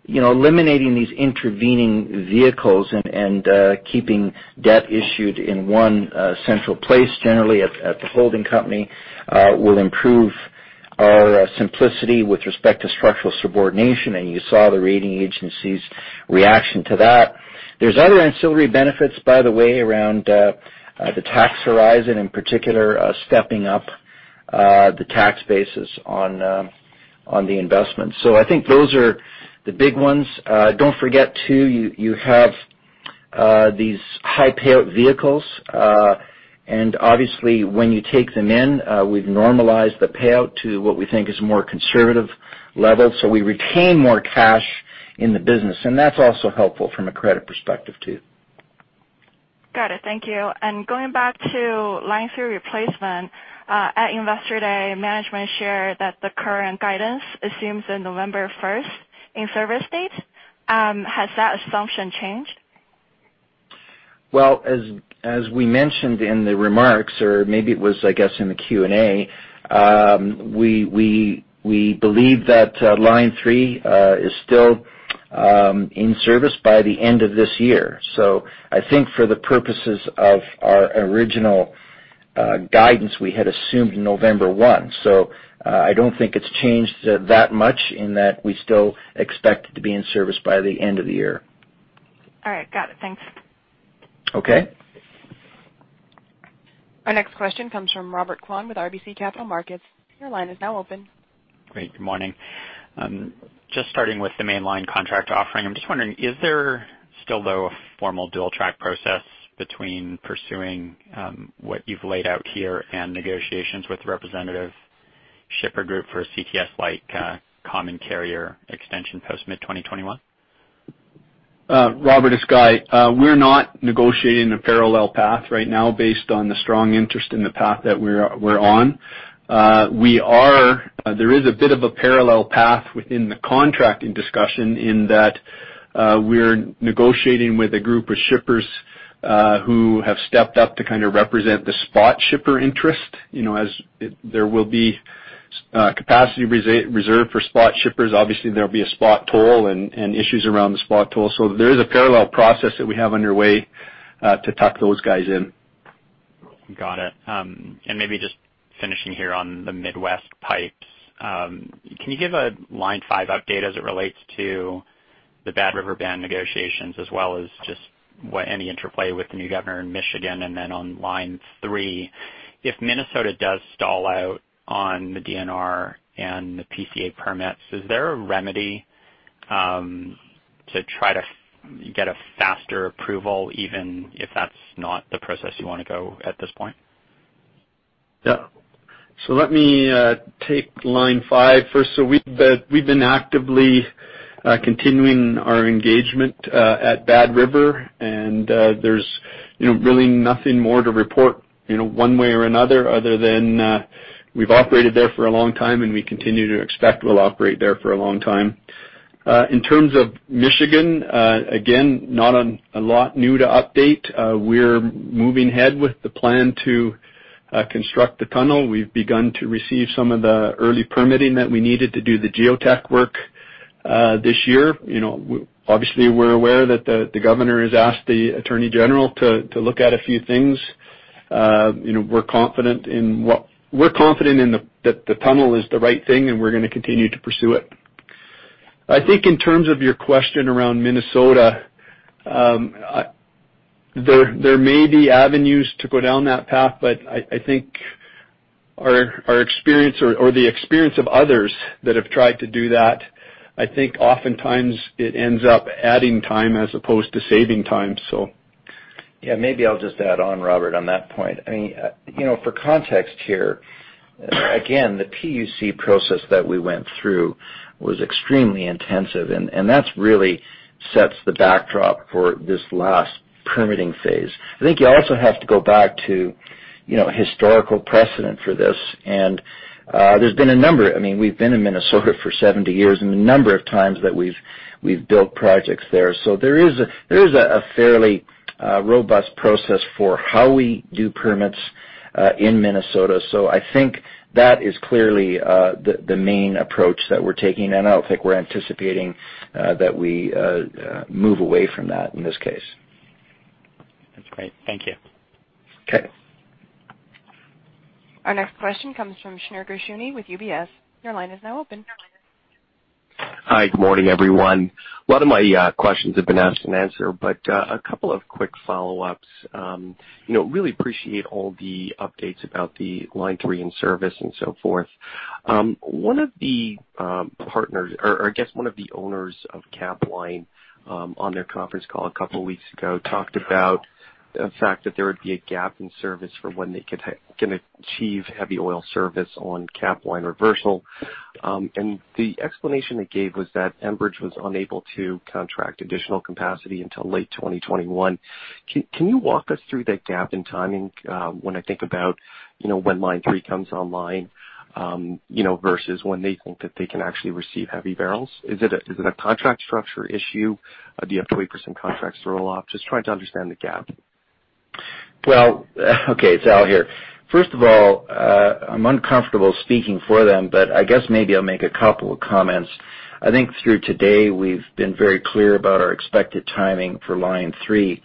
eliminating these intervening vehicles and keeping debt issued in one central place, generally at the holding company, will improve our simplicity with respect to structural subordination, and you saw the rating agency's reaction to that. There's other ancillary benefits, by the way, around the tax horizon, in particular, stepping up the tax basis on the investment. I think those are the big ones. Don't forget too, you have these high payout vehicles, and obviously when you take them in, we've normalized the payout to what we think is a more conservative level. We retain more cash in the business, and that's also helpful from a credit perspective too. Got it. Thank you. Going back to Line 3 replacement. At Investor Day, management shared that the current guidance assumes a November 1st in-service date. Has that assumption changed? Well, as we mentioned in the remarks, or maybe it was, I guess, in the Q&A, we believe that Line 3 is still in service by the end of this year. I think for the purposes of our original guidance, we had assumed November 1. I don't think it's changed that much in that we still expect it to be in service by the end of the year. All right. Got it. Thanks. Okay. Our next question comes from Robert Kwan with RBC Capital Markets. Your line is now open. Great. Good morning. Just starting with the mainline contract offering. I'm just wondering, is there still, though, a formal dual track process between pursuing what you've laid out here and negotiations with representative shipper group for a CTS-like common carrier extension post mid-2021? Robert, it's Guy. We're not negotiating a parallel path right now based on the strong interest in the path that we're on. There is a bit of a parallel path within the contracting discussion in that we're negotiating with a group of shippers who have stepped up to represent the spot shipper interest. As there will be capacity reserved for spot shippers, obviously there'll be a spot toll and issues around the spot toll. There is a parallel process that we have underway to tuck those guys in. Got it. Maybe just finishing here on the Midwest pipes. Can you give a Line 5 update as it relates to the Bad River Band negotiations as well as just any interplay with the new governor in Michigan? On Line 3, if Minnesota does stall out on the DNR and the PCA permits, is there a remedy to try to get a faster approval, even if that's not the process you want to go at this point? Yeah. Let me take Line 5 first. We've been actively continuing our engagement at Bad River, and there's really nothing more to report one way or another, other than we've operated there for a long time, and we continue to expect we'll operate there for a long time. In terms of Michigan, again, not a lot new to update. We're moving ahead with the plan to construct the tunnel. We've begun to receive some of the early permitting that we needed to do the geotech work this year. Obviously, we're aware that the governor has asked the attorney general to look at a few things. We're confident that the tunnel is the right thing, and we're going to continue to pursue it. I think in terms of your question around Minnesota, there may be avenues to go down that path. I think our experience or the experience of others that have tried to do that, I think oftentimes it ends up adding time as opposed to saving time. Yeah, maybe I'll just add on, Robert, on that point. For context here, again, the PUC process that we went through was extremely intensive, and that really sets the backdrop for this last permitting phase. I think you also have to go back to historical precedent for this. There's been a number We've been in Minnesota for 70 years and the number of times that we've built projects there. There is a fairly robust process for how we do permits in Minnesota. I think that is clearly the main approach that we're taking, and I don't think we're anticipating that we move away from that in this case. That's great. Thank you. Okay. Our next question comes from Shneur Gershuni with UBS. Your line is now open. Hi. Good morning, everyone. A lot of my questions have been asked and answered, but a couple of quick follow-ups. Really appreciate all the updates about the Line 3 in service and so forth. One of the partners, or I guess one of the owners of cap line, on their conference call a couple of weeks ago, talked about the fact that there would be a gap in service for when they can achieve heavy oil service on cap line reversal. The explanation they gave was that Enbridge was unable to contract additional capacity until late 2021. Can you walk us through that gap in timing when I think about when Line 3 comes online, versus when they think that they can actually receive heavy barrels? Is it a contract structure issue? Do you have 20% contracts to roll off? Just trying to understand the gap. Okay. It's Al here. First of all, I'm uncomfortable speaking for them, but I guess maybe I'll make a couple of comments. I think through today we've been very clear about our expected timing for Line 3.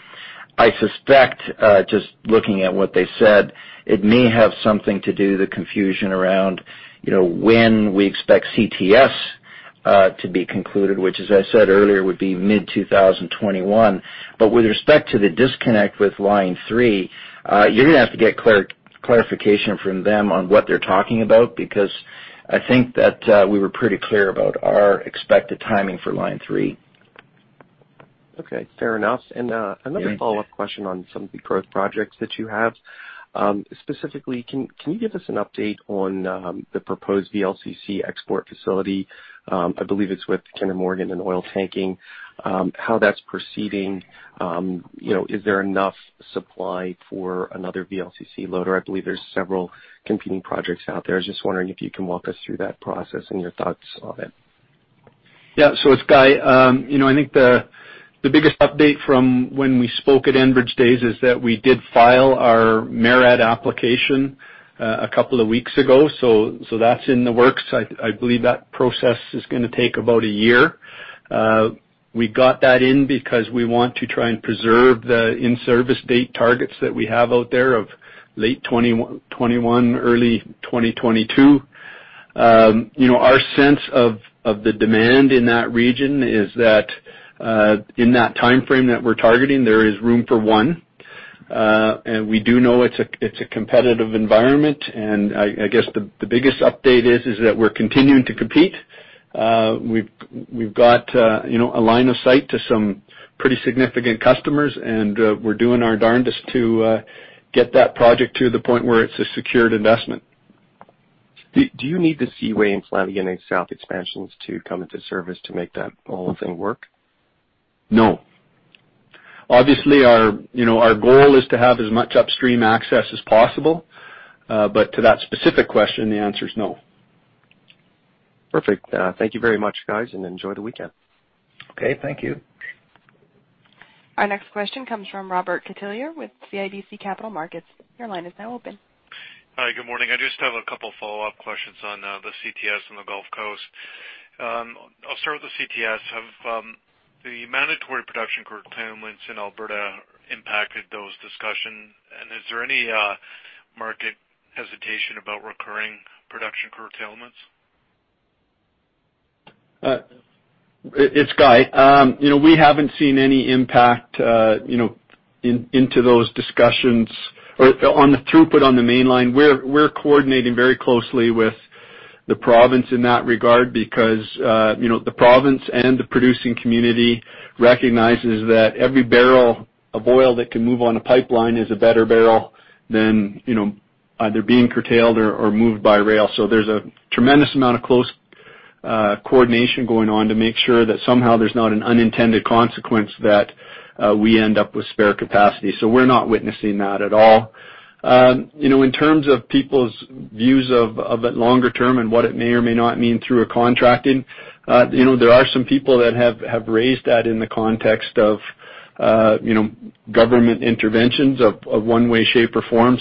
I suspect, just looking at what they said, it may have something to do the confusion around when we expect CTS to be concluded, which as I said earlier, would be mid-2021. With respect to the disconnect with Line 3, you're going to have to get clarification from them on what they're talking about, because I think that we were pretty clear about our expected timing for Line 3. Okay. Fair enough. Yeah. Another follow-up question on some of the growth projects that you have. Specifically, can you give us an update on the proposed VLCC export facility? I believe it's with Kinder Morgan and Oiltanking. How that's proceeding? Is there enough supply for another VLCC loader? I believe there's several competing projects out there. I was just wondering if you can walk us through that process and your thoughts on it. It's Guy. I think the biggest update from when we spoke at Enbridge Day is that we did file our MARAD application a couple of weeks ago. That's in the works. I believe that process is going to take about a year. We got that in because we want to try and preserve the in-service date targets that we have out there of late 2021, early 2022. Our sense of the demand in that region is that in that timeframe that we're targeting, there is room for one. We do know it's a competitive environment, and I guess the biggest update is that we're continuing to compete. We've got a line of sight to some pretty significant customers, and we're doing our darnedest to get that project to the point where it's a secured investment. Do you need the Seaway and Flanagan South expansions to come into service to make that whole thing work? No. Obviously, our goal is to have as much upstream access as possible. To that specific question, the answer is no. Perfect. Thank you very much, guys. Enjoy the weekend. Okay. Thank you. Our next question comes from Robert Catellier with CIBC Capital Markets. Your line is now open. Hi. Good morning. I just have a couple follow-up questions on the CTS and the Gulf Coast. I'll start with the CTS. Have the mandatory production curtailments in Alberta impacted those discussions, and is there any market hesitation about recurring production curtailments? It's Guy. We haven't seen any impact into those discussions or on the throughput on the mainline. We're coordinating very closely with the province in that regard because the province and the producing community recognizes that every barrel of oil that can move on a pipeline is a better barrel than either being curtailed or moved by rail. There's a tremendous amount of close coordination going on to make sure that somehow there's not an unintended consequence that we end up with spare capacity. We're not witnessing that at all. In terms of people's views of it longer term and what it may or may not mean through a contracting, there are some people that have raised that in the context of government interventions of one way, shape, or form.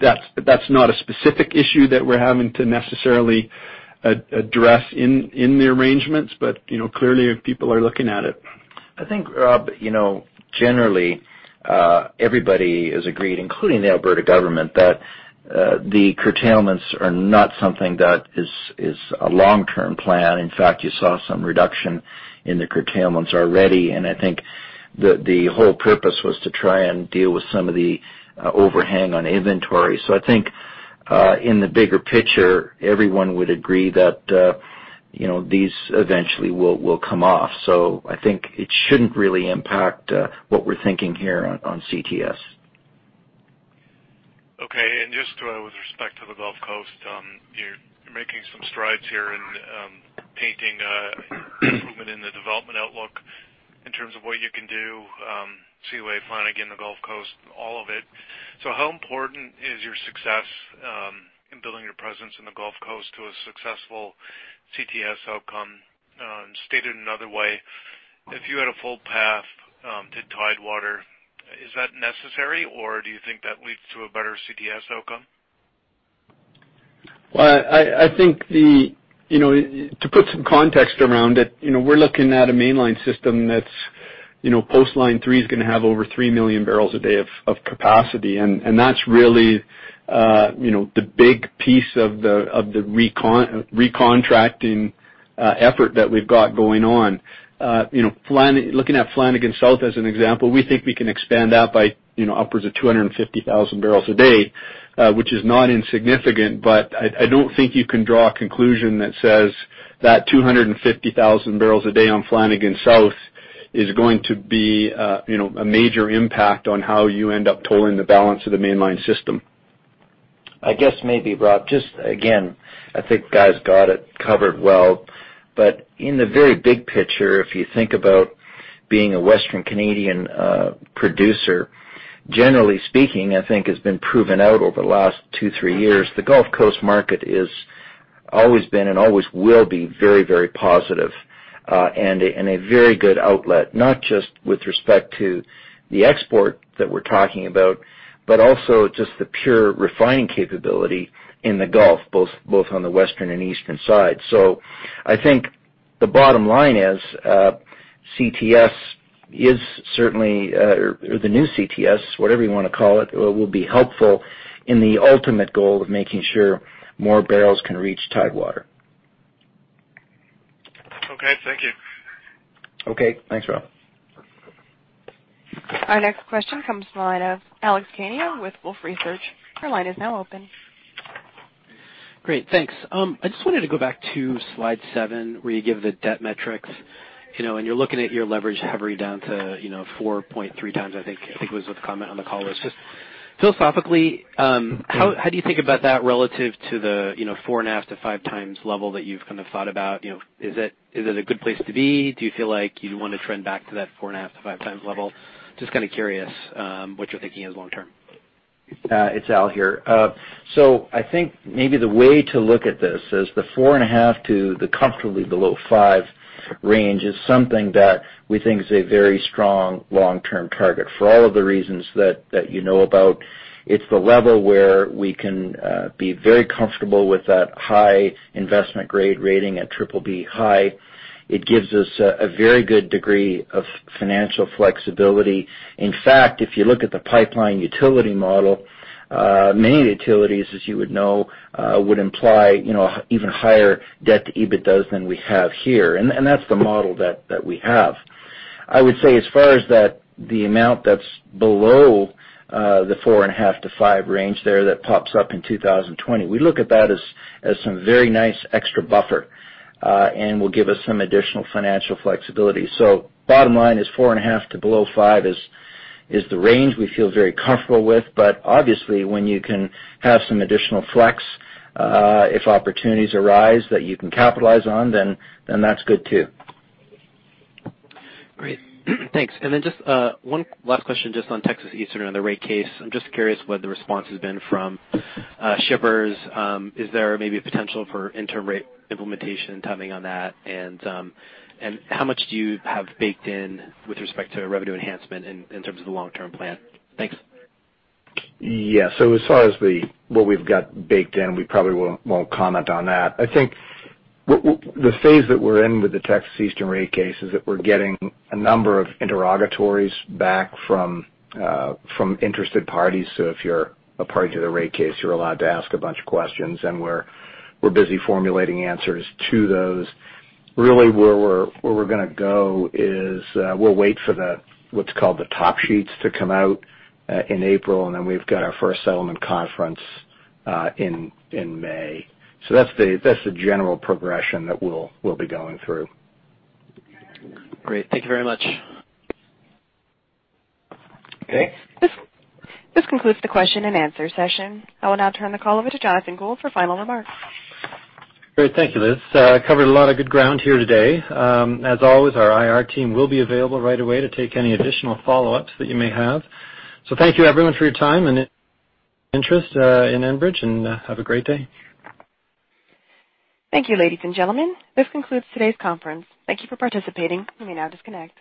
That's not a specific issue that we're having to necessarily address in the arrangements. Clearly, people are looking at it. I think, Rob, generally everybody has agreed, including the Alberta government, that the curtailments are not something that is a long-term plan. In fact, you saw some reduction in the curtailments already, and I think the whole purpose was to try and deal with some of the overhang on inventory. I think in the bigger picture, everyone would agree that these eventually will come off. I think it shouldn't really impact what we're thinking here on CTS. Okay. Just with respect to the Gulf Coast. You're making some strides here in painting an improvement in the development outlook in terms of what you can do, Seaway, Flanagan, the Gulf Coast, all of it. How important is your success in building your presence in the Gulf Coast to a successful CTS outcome? Stated another way, if you had a full path to Tidewater, is that necessary, or do you think that leads to a better CTS outcome? I think to put some context around it, we're looking at a mainline system that's post Line 3 is going to have over 3 million barrels a day of capacity. That's really the big piece of the recontracting effort that we've got going on. Looking at Flanagan South as an example, we think we can expand that by upwards of 250,000 barrels a day, which is not insignificant. I don't think you can draw a conclusion that says that 250,000 bpd on Flanagan South is going to be a major impact on how you end up tolling the balance of the mainline system. I guess maybe, Rob, just again, I think Guy's got it covered well. In the very big picture, if you think about being a Western Canadian producer, generally speaking, I think it's been proven out over the last two, three years, the Gulf Coast market has always been and always will be very positive. A very good outlet, not just with respect to the export that we're talking about, but also just the pure refining capability in the Gulf, both on the Western and Eastern side. I think the bottom line is CTS is certainly, or the new CTS, whatever you want to call it, will be helpful in the ultimate goal of making sure more barrels can reach Tidewater. Okay. Thank you. Okay. Thanks, Rob. Our next question comes from the line of Alex Kania with Wolfe Research. Your line is now open. Great. Thanks. I just wanted to go back to slide seven, where you give the debt metrics. You're looking at your leverage recovery down to 4.3x, I think was what the comment on the call was. Just philosophically, how do you think about that relative to the 4.5x-5x level that you've thought about? Is it a good place to be? Do you feel like you'd want to trend back to that 4.5x-5x level? Just curious what you're thinking as long term. It's Al here. I think maybe the way to look at this is the 4.5x to the comfortably below 5x range is something that we think is a very strong long-term target for all of the reasons that you know about. It's the level where we can be very comfortable with that high investment-grade rating at triple B high. It gives us a very good degree of financial flexibility. In fact, if you look at the pipeline utility model, many utilities, as you would know would imply even higher debt to EBITDAs than we have here. That's the model that we have. I would say as far as the amount that's below the 4.5x-5x range there that pops up in 2020, we look at that as some very nice extra buffer, will give us some additional financial flexibility. Bottom line is four and a half to below five is the range we feel very comfortable with. Obviously, when you can have some additional flex, if opportunities arise that you can capitalize on, then that's good too. Great. Thanks. Just one last question just on Texas Eastern on the rate case. I'm just curious what the response has been from shippers. Is there maybe a potential for inter-rate implementation timing on that? How much do you have baked in with respect to revenue enhancement in terms of the long-term plan? Thanks. Yeah. As far as what we've got baked in, we probably won't comment on that. I think the phase that we're in with the Texas Eastern rate case is that we're getting a number of interrogatories back from interested parties. If you're a party to the rate case, you're allowed to ask a bunch of questions, and we're busy formulating answers to those. Where we're going to go is, we'll wait for what's called the top sheets to come out in April, and then we've got our first settlement conference in May. That's the general progression that we'll be going through. Great. Thank you very much. Okay. This concludes the question and answer session. I will now turn the call over to Jonathan Gould for final remarks. Great. Thank you, Liz. Covered a lot of good ground here today. As always, our IR team will be available right away to take any additional follow-ups that you may have. Thank you, everyone, for your time and interest in Enbridge, and have a great day. Thank you, ladies and gentlemen. This concludes today's conference. Thank you for participating. You may now disconnect.